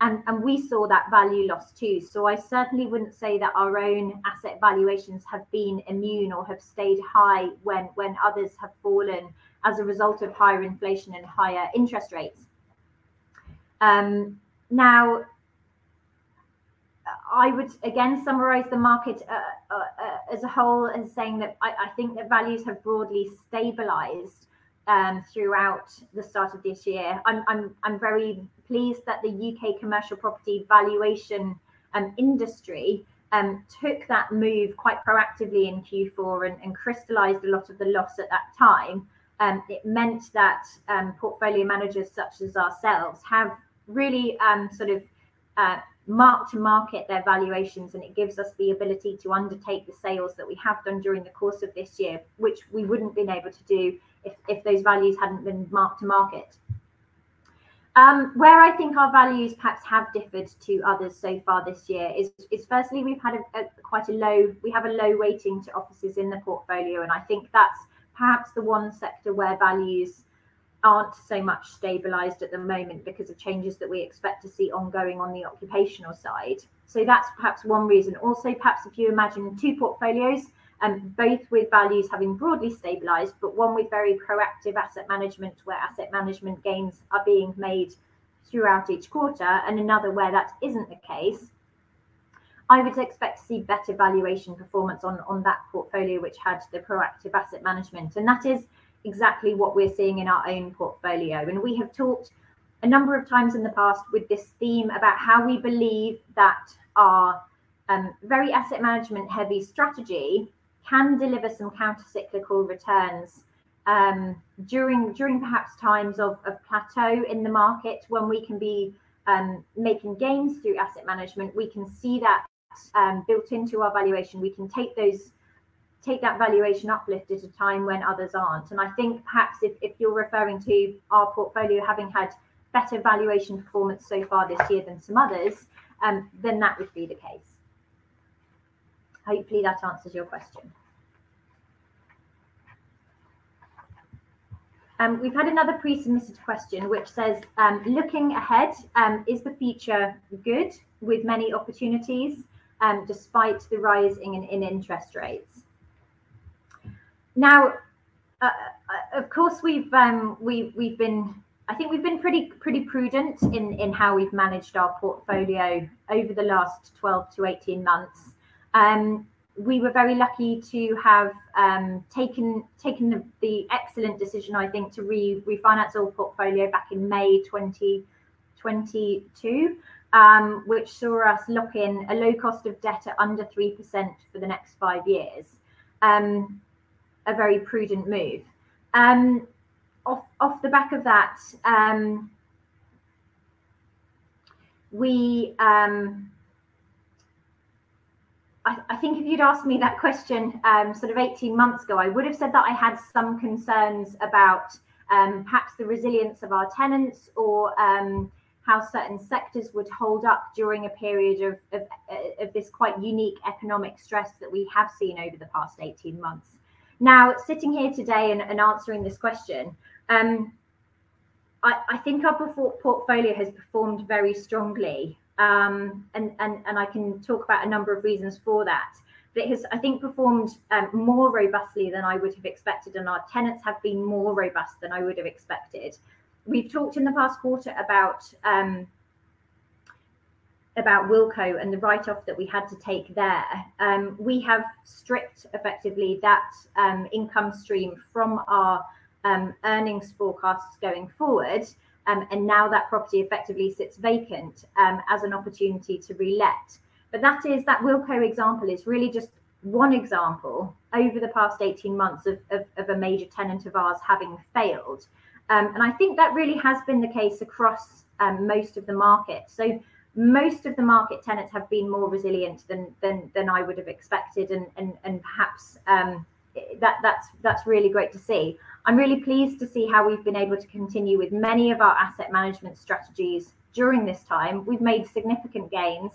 And we saw that value loss, too. So I certainly wouldn't say that our own asset valuations have been immune or have stayed high when others have fallen as a result of higher inflation and higher interest rates. Now, I would again summarize the market as a whole in saying that I think that values have broadly stabilized throughout the start of this year. I'm very pleased that the UK commercial property valuation and industry took that move quite proactively in Q4 and crystallized a lot of the loss at that time. It meant that portfolio managers such as ourselves have really sort of mark-to-market their valuations, and it gives us the ability to undertake the sales that we have done during the course of this year, which we wouldn't have been able to do if those values hadn't been mark-to-market. Where I think our values perhaps have differed to others so far this year is firstly, we've had quite a low-- we have a low weighting to offices in the portfolio, and I think that's perhaps the one sector where values aren't so much stabilized at the moment because of changes that we expect to see ongoing on the occupational side. That's perhaps one reason. Also, perhaps if you imagine two portfolios, both with values having broadly stabilized, but one with very proactive asset management, where asset management gains are being made throughout each quarter and another where that isn't the case, I would expect to see better valuation performance on that portfolio which had the proactive asset management. That is exactly what we're seeing in our own portfolio. We have talked a number of times in the past with this theme about how we believe that our very asset management-heavy strategy can deliver some countercyclical returns during, perhaps, times of plateau in the market when we can be making gains through asset management. We can see that built into our valuation. We can take that valuation uplift at a time when others aren't. I think perhaps if, if you're referring to our portfolio having had better valuation performance so far this year than some others, then that would be the case. Hopefully, that answers your question. We've had another pre-submitted question which says: Looking ahead, is the future good with many opportunities, despite the rising in interest rates? Now, of course, we've been, I think we've been pretty prudent in how we've managed our portfolio over the last 12 -18 months. We were very lucky to have taken the excellent decision, I think, to re-refinance our portfolio back in May 2022, which saw us lock in a low cost of debt at under 3% for the next five years. A very prudent move. Off the back of that, I think if you'd asked me that question sort of 18 months ago, I would have said that I had some concerns about perhaps the resilience of our tenants or how certain sectors would hold up during a period of this quite unique economic stress that we have seen over the past 18 months. Now, sitting here today and I can talk about a number of reasons for that. But it has, I think, performed more robustly than I would have expected, and our tenants have been more robust than I would have expected. We've talked in the past quarter about Wilko and the write-off that we had to take there. We have stripped effectively that income stream from our earnings forecasts going forward, and now that property effectively sits vacant as an opportunity to relet. But that Wilko example is really just one example over the past 18 months of a major tenant of ours having failed. And I think that really has been the case across most of the market. So most of the market tenants have been more resilient than I would have expected, and perhaps that's really great to see. I'm really pleased to see how we've been able to continue with many of our asset management strategies during this time. We've made significant gains.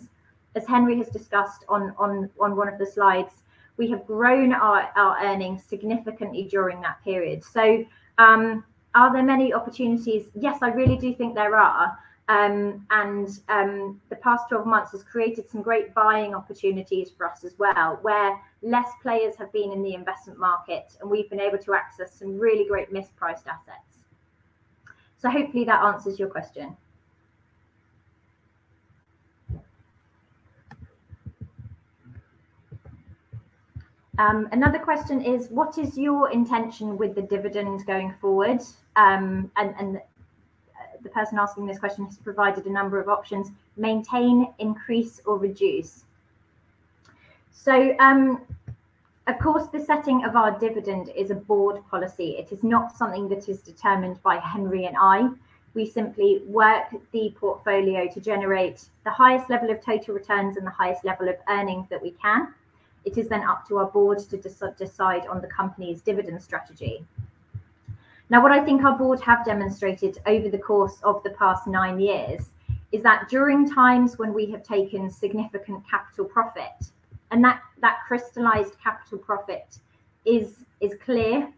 As Henry has discussed on one of the slides, we have grown our earnings significantly during that period. Are there many opportunities? Yes, I really do think there are. The past 12 months has created some great buying opportunities for us as well, where fewer players have been in the investment market, and we've been able to access some really great mispriced assets. Hopefully that answers your question. Another question is: What is your intention with the dividends going forward? The person asking this question has provided a number of options: maintain, increase, or reduce. Of course, the setting of our dividend is a board policy. It is not something that is determined by Henry and I. We simply work the portfolio to generate the highest level of total returns and the highest level of earnings that we can. It is then up to our board to decide on the company's dividend strategy. Now, what I think our board have demonstrated over the course of the past nine years, is that during times when we have taken significant capital profit, and that crystallized capital profit is clear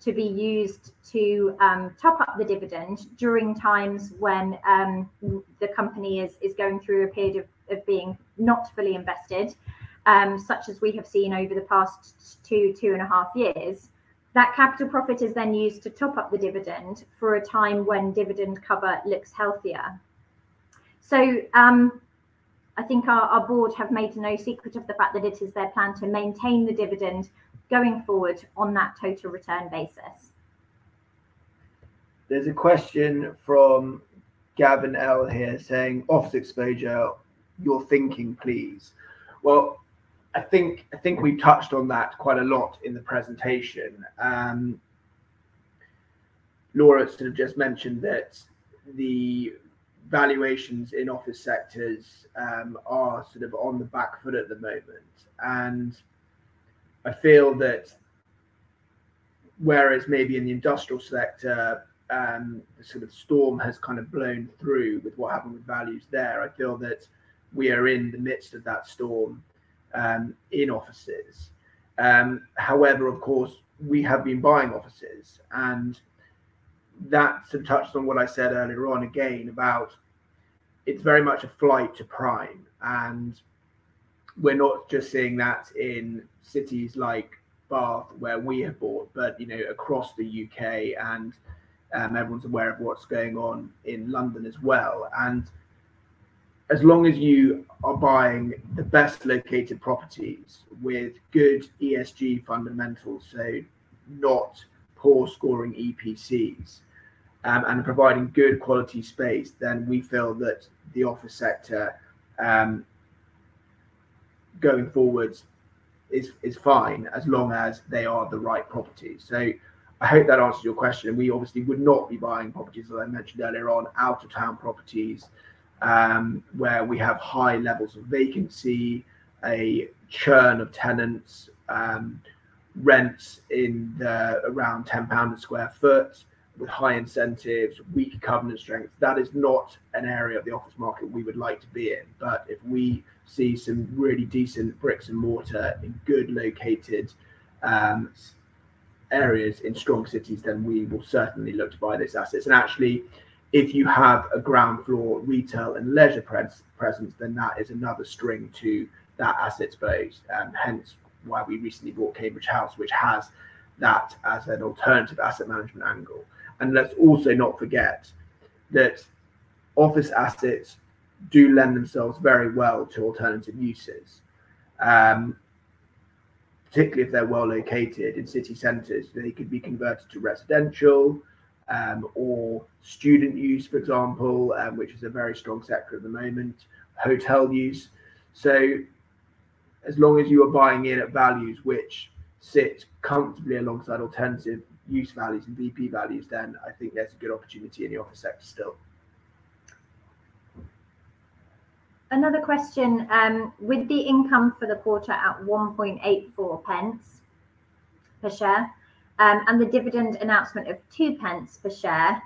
to be used to top up the dividend during times when the company is going through a period of being not fully invested, such as we have seen over the past two, two and a half years. That capital profit is then used to top up the dividend for a time when dividend cover looks healthier. So, I think our board have made no secret of the fact that it is their plan to maintain the dividend going forward on that total return basis. There's a question from Gavin L. here saying: "Office exposure, your thinking, please?" Well, I think we touched on that quite a lot in the presentation. Laura sort of just mentioned that the valuations in office sectors are sort of on the back foot at the moment. I feel that whereas maybe in the industrial sector, the sort of storm has kind of blown through with what happened with values there, I feel that we are in the midst of that storm in offices. However, of course, we have been buying offices, and that's touched on what I said earlier on again, about it's very much a flight to prime. We're not just seeing that in cities like Bath, where we have bought, but, you know, across the UK and everyone's aware of what's going on in London as well. As long as you are buying the best-located properties with good ESG fundamentals, so not poor-scoring EPCs, and providing good quality space, then we feel that the office sector, going forwards is fine, as long as they are the right properties. I hope that answers your question. We obviously would not be buying properties, as I mentioned earlier on, out-of-town properties, where we have high levels of vacancy, a churn of tenants, rents in the around 10 pound a sq ft with high incentives, weak covenant strength. That is not an area of the office market we would like to be in. But if we see some really decent bricks and mortar in good located, areas in strong cities, then we will certainly look to buy those assets. Actually, if you have a ground floor, retail and leisure presence, then that is another string to that asset space, hence why we recently bought Cambridge House, which has that as an alternative asset management angle. Let's also not forget that office assets do lend themselves very well to alternative uses. Particularly if they're well located in city centers, they could be converted to residential, or student use, for example, which is a very strong sector at the moment, hotel use. As long as you are buying in at values which sit comfortably alongside alternative use values and VP values, then I think there's a good opportunity in the office sector still. Another question. With the income for the quarter at 1.84 pence per share, and the dividend announcement of 2 pence per share,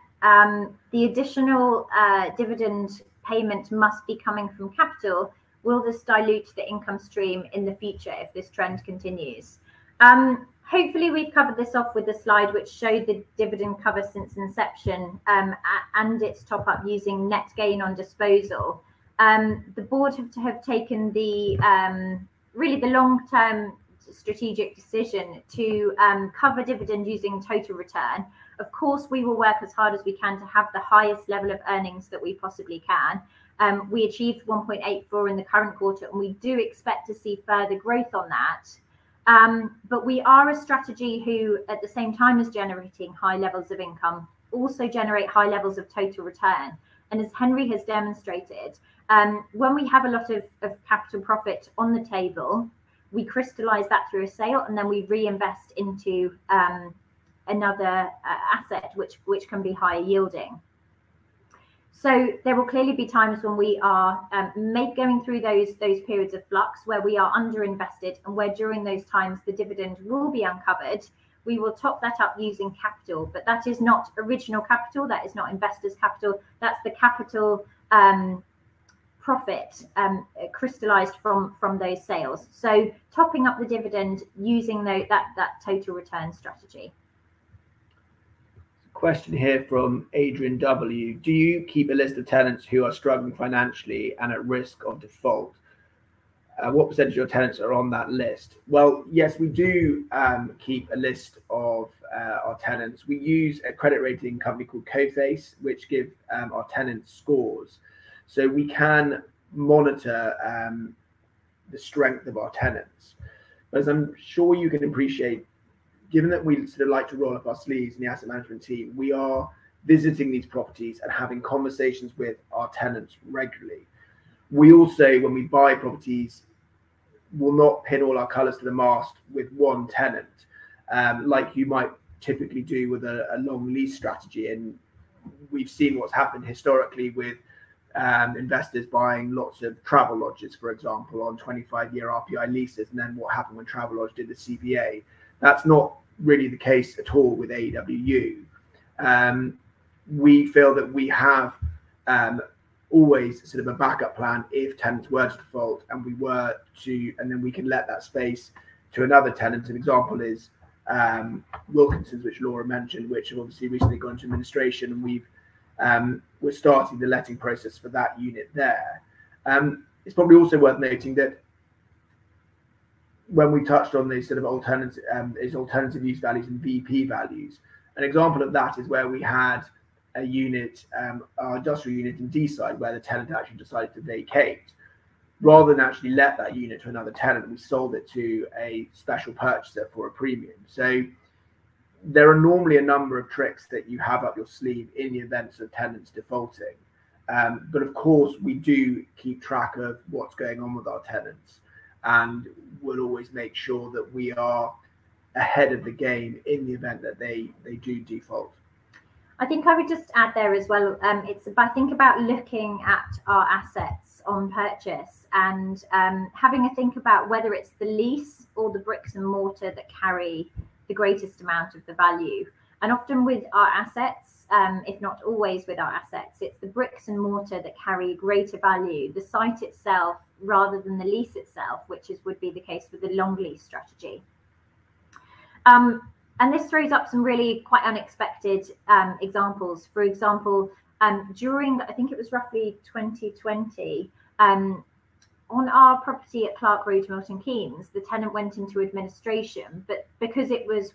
the additional dividend payment must be coming from capital. Will this dilute the income stream in the future if this trend continues? Hopefully we've covered this off with the slide, which showed the dividend cover since inception, and its top up using net gain on disposal. The board have taken the really long-term strategic decision to cover dividend using total return. Of course, we will work as hard as we can to have the highest level of earnings that we possibly can. We achieved 1.84 in the current quarter, and we do expect to see further growth on that. But we are a strategy who, at the same time, is generating high levels of income, also generate high levels of total return. And as Henry has demonstrated, when we have a lot of capital profit on the table, we crystallize that through a sale, and then we reinvest into another asset, which can be higher yielding. So there will clearly be times when we are going through those periods of flux, where we are underinvested and where during those times the dividend will be uncovered. We will top that up using capital, but that is not original capital. That is not investors' capital. That's the capital profit crystallized from those sales. So topping up the dividend using that total return strategy. Question here from Adrian W: Do you keep a list of tenants who are struggling financially and at risk of default? What percentage of your tenants are on that list? Well, yes, we do keep a list of our tenants. We use a credit rating company called Coface, which give our tenants scores, so we can monitor the strength of our tenants. But as I'm sure you can appreciate, given that we sort of like to roll up our sleeves in the asset management team, we are visiting these properties and having conversations with our tenants regularly. We all say when we buy properties, we'll not pin all our colors to the mast with one tenant, like you might typically do with a long lease strategy. We've seen what's happened historically with investors buying lots of Travelodges, for example, on 25-year RPI leases, and then what happened when Travelodge did the CVA. That's not really the case at all with AEW UK. We feel that we have always sort of a backup plan if tenants were to default, and then we can let that space to another tenant. An example is Wilkinsons, which Laura mentioned, which have obviously recently gone to administration, and we're starting the letting process for that unit there. It's probably also worth noting that when we touched on these sort of alternative, these alternative use values and VP values, an example of that is where we had a unit, an industrial unit in Deeside, where the tenant actually decided to vacate. Rather than actually let that unit to another tenant, we sold it to a special purchaser for a premium. So there are normally a number of tricks that you have up your sleeve in the event of tenants defaulting. But of course, we do keep track of what's going on with our tenants, and we'll always make sure that we are ahead of the game in the event that they do default. I think I would just add there as well, it's if I think about looking at our assets on purchase and, having a think about whether it's the lease or the bricks and mortar that carry the greatest amount of the value. And often with our assets, if not always with our assets, it's the bricks and mortar that carry greater value, the site itself, rather than the lease itself, which would be the case with the long lease strategy. And this throws up some really quite unexpected examples. For example, during, I think it was roughly 2020, on our property at Clarke Road, Milton Keynes, the tenant went into administration, but because it was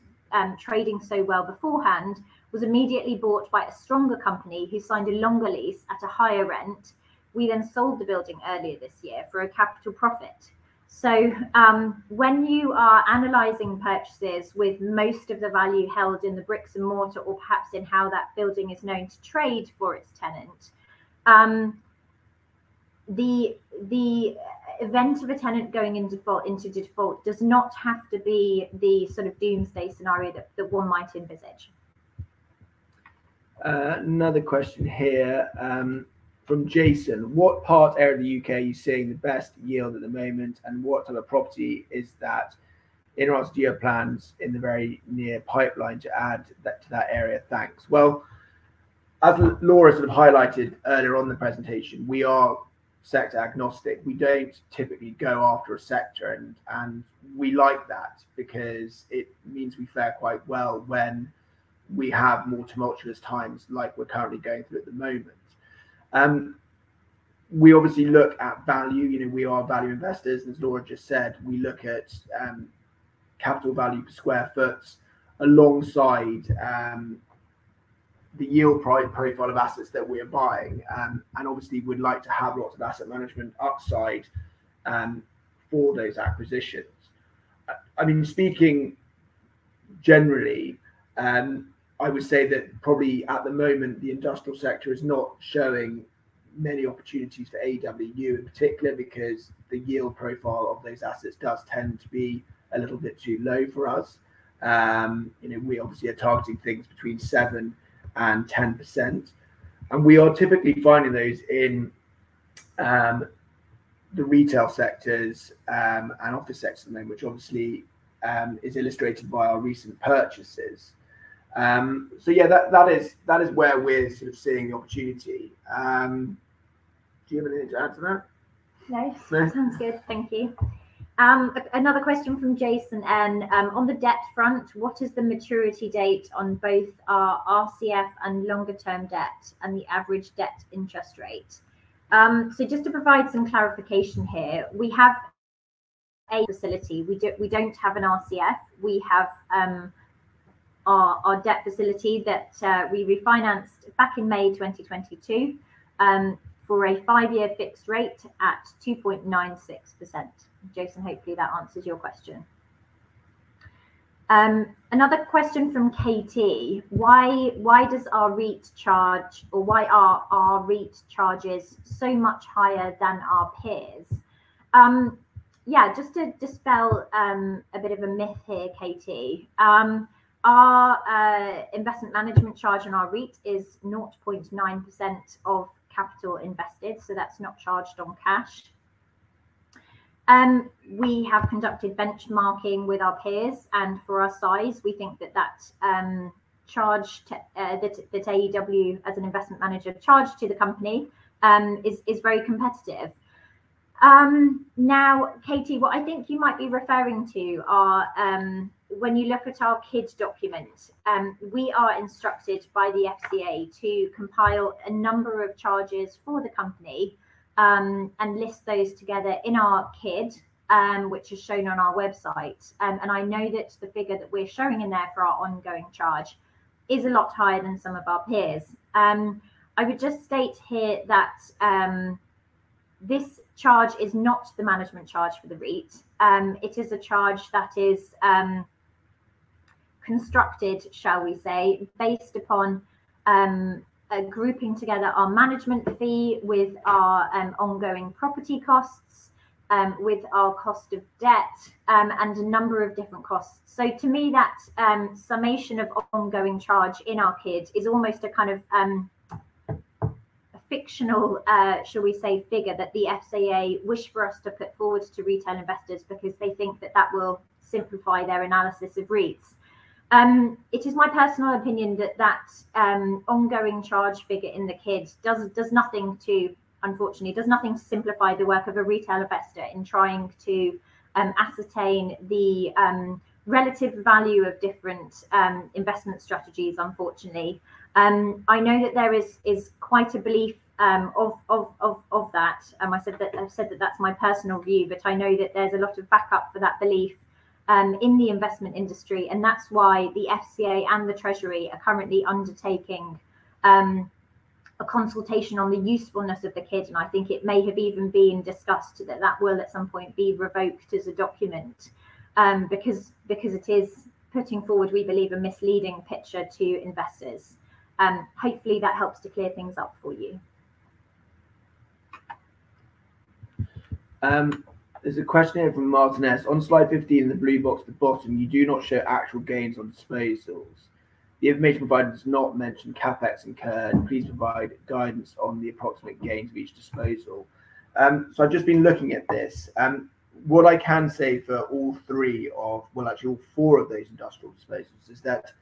trading so well beforehand, was immediately bought by a stronger company who signed a longer lease at a higher rent. We then sold the building earlier this year for a capital profit. So, when you are analyzing purchases with most of the value held in the bricks and mortar, or perhaps in how that building is known to trade for its tenant, the event of a tenant going into default does not have to be the sort of doomsday scenario that one might envisage. Another question here, from Jason: What part area of the UK are you seeing the best yield at the moment, and what type of property is that? Interesting, do you have plans in the very near pipeline to add that to that area? Thanks. Well, as Laura sort of highlighted earlier on in the presentation, we are sector agnostic. We don't typically go after a sector, and we like that because it means we fare quite well when we have more tumultuous times like we're currently going through at the moment. We obviously look at value. You know, we are value investors, as Laura just said. We look at capital value per square foot alongside the yield profile of assets that we are buying. And obviously, we'd like to have lots of asset management upside for those acquisitions. I mean, speaking generally, I would say that probably at the moment, the industrial sector is not showing many opportunities for AEW UK in particular, because the yield profile of those assets does tend to be a little bit too low for us. You know, we obviously are targeting things between 7%-10%, and we are typically finding those in, the retail sectors, and office sector, which obviously, is illustrated by our recent purchases. So yeah, that, that is, that is where we're sort of seeing the opportunity. Do you have anything to add to that? No. No? Sounds good. Thank you. Another question from Jason N, "On the debt front, what is the maturity date on both our RCF and longer-term debt, and the average debt interest rate?" So just to provide some clarification here, we have a facility. We don't, we don't have an RCF. We have our debt facility that we refinanced back in May 2022 for a five-year fixed rate at 2.96%. Jason, hopefully that answers your question. Another question from Katie: "Why does our REIT charge or why are our REIT charges so much higher than our peers?" Yeah, just to dispel a bit of a myth here, Katie. Our investment management charge on our REIT is 0.9% of capital invested, so that's not charged on cash. We have conducted benchmarking with our peers, and for our size, we think that that charge to that AEW, as an investment manager, charge to the company, is very competitive. Now, Katie, what I think you might be referring to are when you look at our KID document, we are instructed by the FCA to compile a number of charges for the company, and list those together in our KID, which is shown on our website. And I know that the figure that we're showing in there for our ongoing charge is a lot higher than some of our peers. I would just state here that this charge is not the management charge for the REIT. It is a charge that is, constructed, shall we say, based upon, a grouping together our management fee with our, ongoing property costs, with our cost of debt, and a number of different costs. So to me, that, summation of ongoing charge in our KID is almost a kind of, a fictional, shall we say, figure that the FCA wish for us to put forward to retail investors because they think that that will simplify their analysis of REITs. It is my personal opinion that that, ongoing charge figure in the KID does, does nothing to, unfortunately, does nothing to simplify the work of a retail investor in trying to, ascertain the, relative value of different, investment strategies, unfortunately. I know that there is quite a belief of that. I've said that that's my personal view, but I know that there's a lot of backup for that belief in the investment industry, and that's why the FCA and the Treasury are currently undertaking a consultation on the usefulness of the KID, and I think it may have even been discussed that that will, at some point, be revoked as a document. Because it is putting forward, we believe, a misleading picture to investors. Hopefully, that helps to clear things up for you. There's a question here from Martin S: "On slide 50, in the blue box at the bottom, you do not show actual gains on disposals. The information provided does not mention CapEx incurred. Please provide guidance on the approximate gains of each disposal." So I've just been looking at this, and what I can say for all three of-- well, actually, all four of those industrial disposals is that,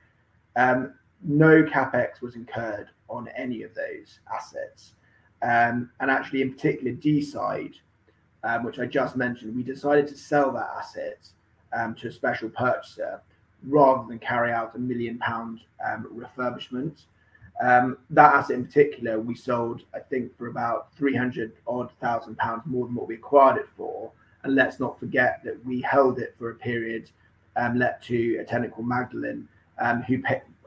no CapEx was incurred on any of those assets. And actually, in particular, Deeside, which I just mentioned, we decided to sell that asset, to a special purchaser, rather than carry out a 1 million pound refurbishment. That asset in particular, we sold, I think, for about 300-odd thousand pounds more than what we acquired it for. Let's not forget that we held it for a period, let to a tenant called Magdalene,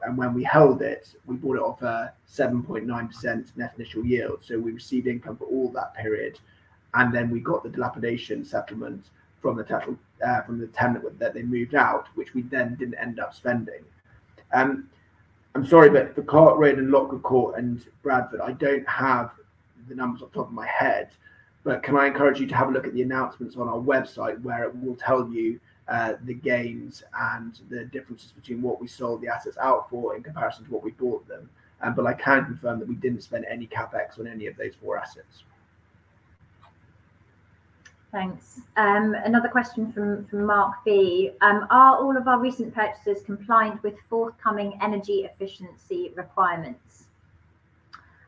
and when we held it, we bought it off a 7.9% net initial yield. So we received income for all that period, and then we got the dilapidation settlement from the tenant, from the tenant that they moved out, which we then didn't end up spending. I'm sorry, but the Carr Lane and Locker Court and Bradford, I don't have the numbers off the top of my head. But can I encourage you to have a look at the announcements on our website, where it will tell you, the gains and the differences between what we sold the assets out for in comparison to what we bought them? But I can confirm that we didn't spend any CapEx on any of those four assets. Thanks. Another question from Mark B: "Are all of our recent purchases compliant with forthcoming energy efficiency requirements?"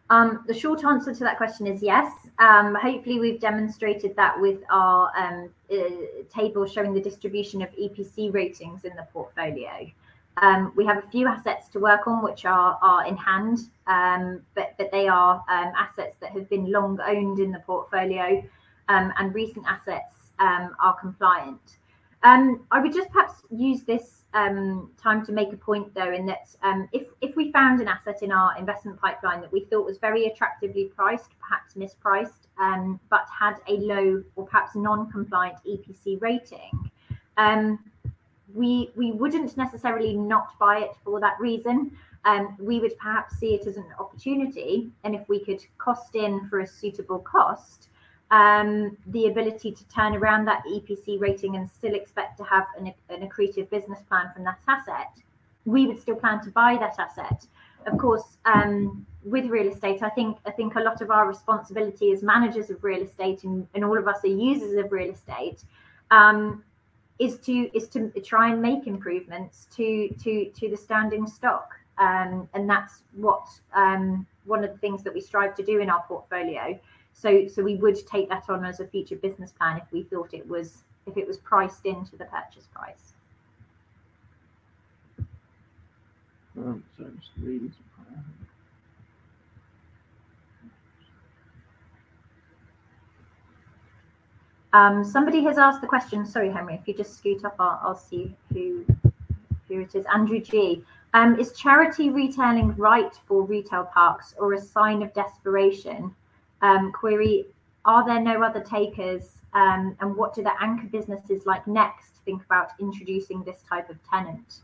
The short answer to that question is yes. Hopefully, we've demonstrated that with our table showing the distribution of EPC ratings in the portfolio. We have a few assets to work on, which are in hand, but they are assets that have been long owned in the portfolio, and recent assets are compliant. I would just perhaps use this time to make a point, though, in that, if we found an asset in our investment pipeline that we thought was very attractively priced, perhaps mispriced, but had a low or perhaps non-compliant EPC rating, we wouldn't necessarily not buy it for that reason. We would perhaps see it as an opportunity, and if we could cost in for a suitable cost, the ability to turn around that EPC rating and still expect to have an accretive business plan from that asset, we would still plan to buy that asset. Of course, with real estate, I think a lot of our responsibility as managers of real estate and all of us as users of real estate is to try and make improvements to the standing stock. And that's one of the things that we strive to do in our portfolio. So we would take that on as a future business plan if we thought it was priced into the purchase price. So just read. Somebody has asked the question... Sorry, Henry, if you just scoot up, I'll see who it is. Andrew G: "Is charity retailing right for retail parks or a sign of desperation? Query, are there no other takers? And what do the anchor businesses like Next think about introducing this type of tenant?"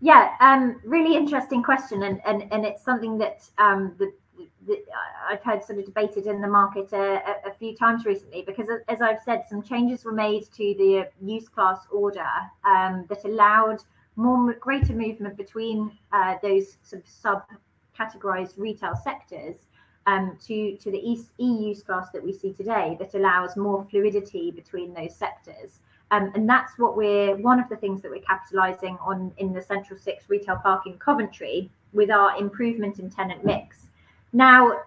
Yeah, really interesting question, and it's something that I've heard sort of debated in the market a few times recently. Because as I've said, some changes were made to the Use Class order that allowed more greater movement between those sort of sub-categorized retail sectors to the E Use Class that we see today, that allows more fluidity between those sectors. And that's what we're one of the things that we're capitalizing on in the Central Six Retail Park in Coventry with our improvement in tenant mix. Now,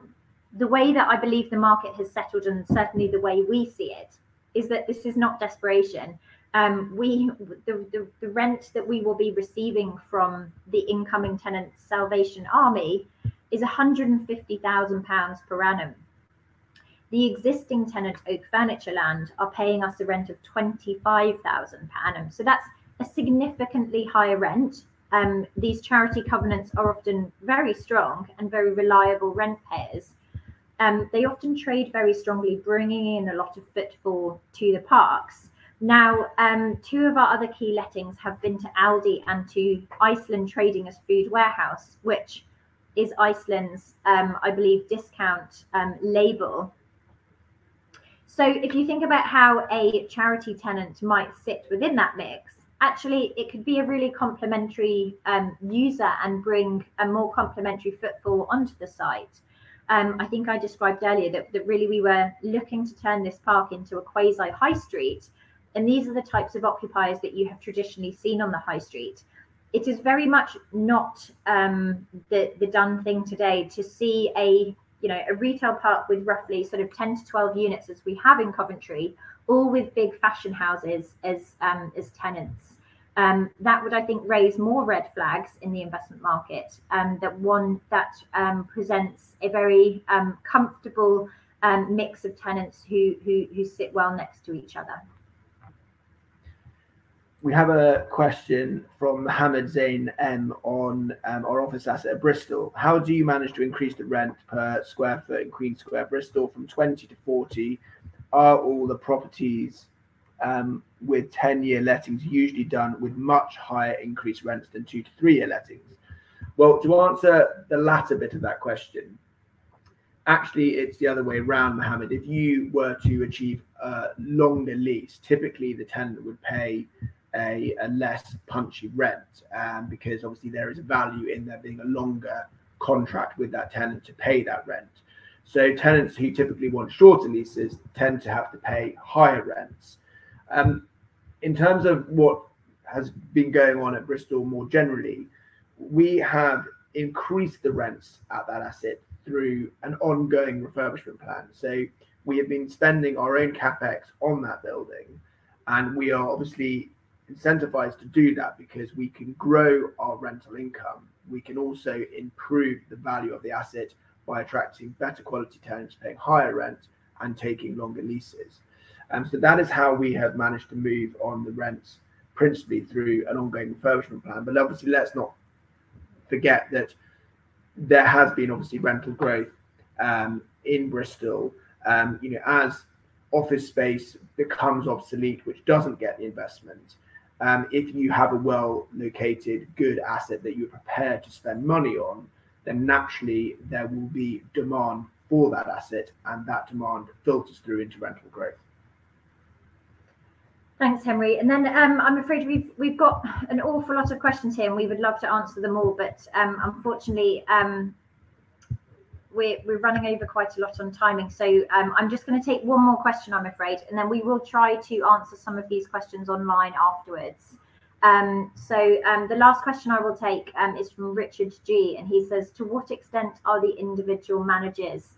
the way that I believe the market has settled, and certainly the way we see it, is that this is not desperation. We, the rent that we will be receiving from the incoming tenant, Salvation Army, is 150,000 pounds per annum. The existing tenant, Oak Furnitureland, are paying us a rent of 25,000 per annum. So that's a significantly higher rent. These charity covenants are often very strong and very reliable rent payers. They often trade very strongly, bringing in a lot of footfall to the parks. Now, two of our other key lettings have been to Aldi and to Iceland, trading as Food Warehouse, which is Iceland's, I believe, discount label. So if you think about how a charity tenant might sit within that mix, actually it could be a really complementary user and bring a more complementary footfall onto the site. I think I described earlier that really we were looking to turn this park into a quasi high street, and these are the types of occupiers that you have traditionally seen on the high street. It is very much not the done thing today to see a, you know, a retail park with roughly sort of 10-12 units, as we have in Coventry, all with big fashion houses as tenants. That would, I think, raise more red flags in the investment market, that one that presents a very comfortable mix of tenants who sit well next to each other. We have a question from Mohammed Zayn M on our office asset at Bristol: "How do you manage to increase the rent per sq ft in Queen Square, Bristol, from 20 to 40? Are all the properties with 10-year lettings usually done with much higher increased rents than 2-3-year lettings?" Well, to answer the latter bit of that question, actually, it's the other way around, Mohammed. If you were to achieve a longer lease, typically the tenant would pay a less punchy rent because obviously there is value in there being a longer contract with that tenant to pay that rent. So tenants who typically want shorter leases tend to have to pay higher rents. In terms of what has been going on at Bristol more generally, we have increased the rents at that asset through an ongoing refurbishment plan. So we have been spending our own CapEx on that building, and we are obviously incentivized to do that because we can grow our rental income. We can also improve the value of the asset by attracting better quality tenants, paying higher rent, and taking longer leases. So that is how we have managed to move on the rents, principally through an ongoing refurbishment plan. But obviously, let's not forget that there has been, obviously, rental growth in Bristol. You know, as office space becomes obsolete, which doesn't get the investment, if you have a well-located, good asset that you're prepared to spend money on, then naturally there will be demand for that asset, and that demand filters through into rental growth. Thanks, Henry. And then, I'm afraid we've got an awful lot of questions here, and we would love to answer them all, but, unfortunately, we're running over quite a lot on timing. So, I'm just gonna take one more question, I'm afraid, and then we will try to answer some of these questions online afterwards. So, the last question I will take is from Richard G, and he says: "To what extent are the individual managers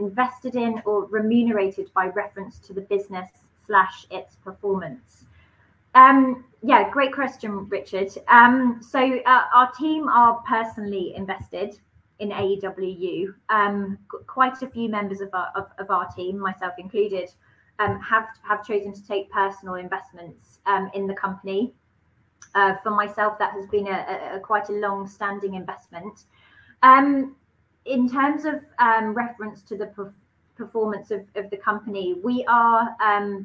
invested in or remunerated by reference to the business/its performance?" Yeah, great question, Richard. So, our team are personally invested in AEW. Quite a few members of our team, myself included, have chosen to take personal investments in the company. For myself, that has been quite a long-standing investment. In terms of reference to the performance of the company, we are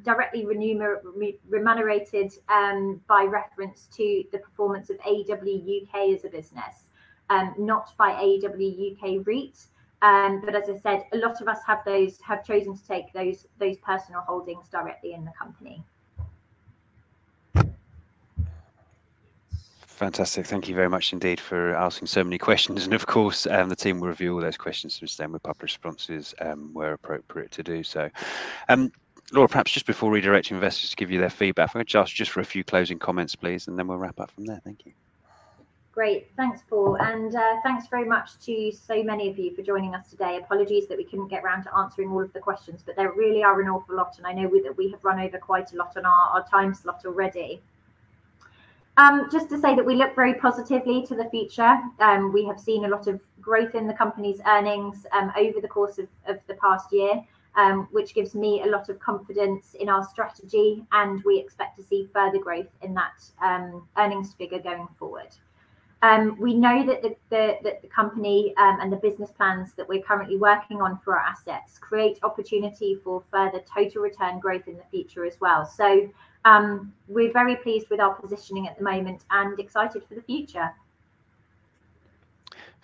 directly remunerated by reference to the performance of AEW UK as a business, not by AEW UK REIT. But as I said, a lot of us have chosen to take those personal holdings directly in the company. Fantastic. Thank you very much indeed for asking so many questions. Of course, the team will review all those questions, which then we'll publish responses where appropriate to do so. Laura, perhaps just before redirecting investors to give you their feedback, if I could ask just for a few closing comments, please, and then we'll wrap up from there. Thank you. Great. Thanks, Paul, and thanks very much to so many of you for joining us today. Apologies that we couldn't get around to answering all of the questions, but there really are an awful lot, and I know that we have run over quite a lot on our time slot already. Just to say that we look very positively to the future, we have seen a lot of growth in the company's earnings, over the course of the past year, which gives me a lot of confidence in our strategy, and we expect to see further growth in that earnings figure going forward. We know that the company and the business plans that we're currently working on for our assets create opportunity for further total return growth in the future as well. We're very pleased with our positioning at the moment and excited for the future.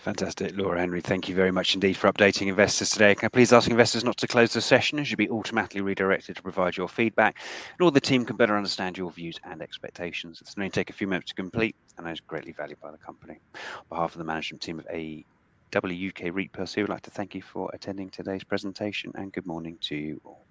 Fantastic. Laura, Henry, thank you very much indeed for updating investors today. Can I please ask investors not to close the session, as you'll be automatically redirected to provide your feedback, and all the team can better understand your views and expectations. This may take a few moments to complete, and it's greatly valued by the company. On behalf of the management team of AEW UK REIT plc, we'd like to thank you for attending today's presentation, and good morning to you all.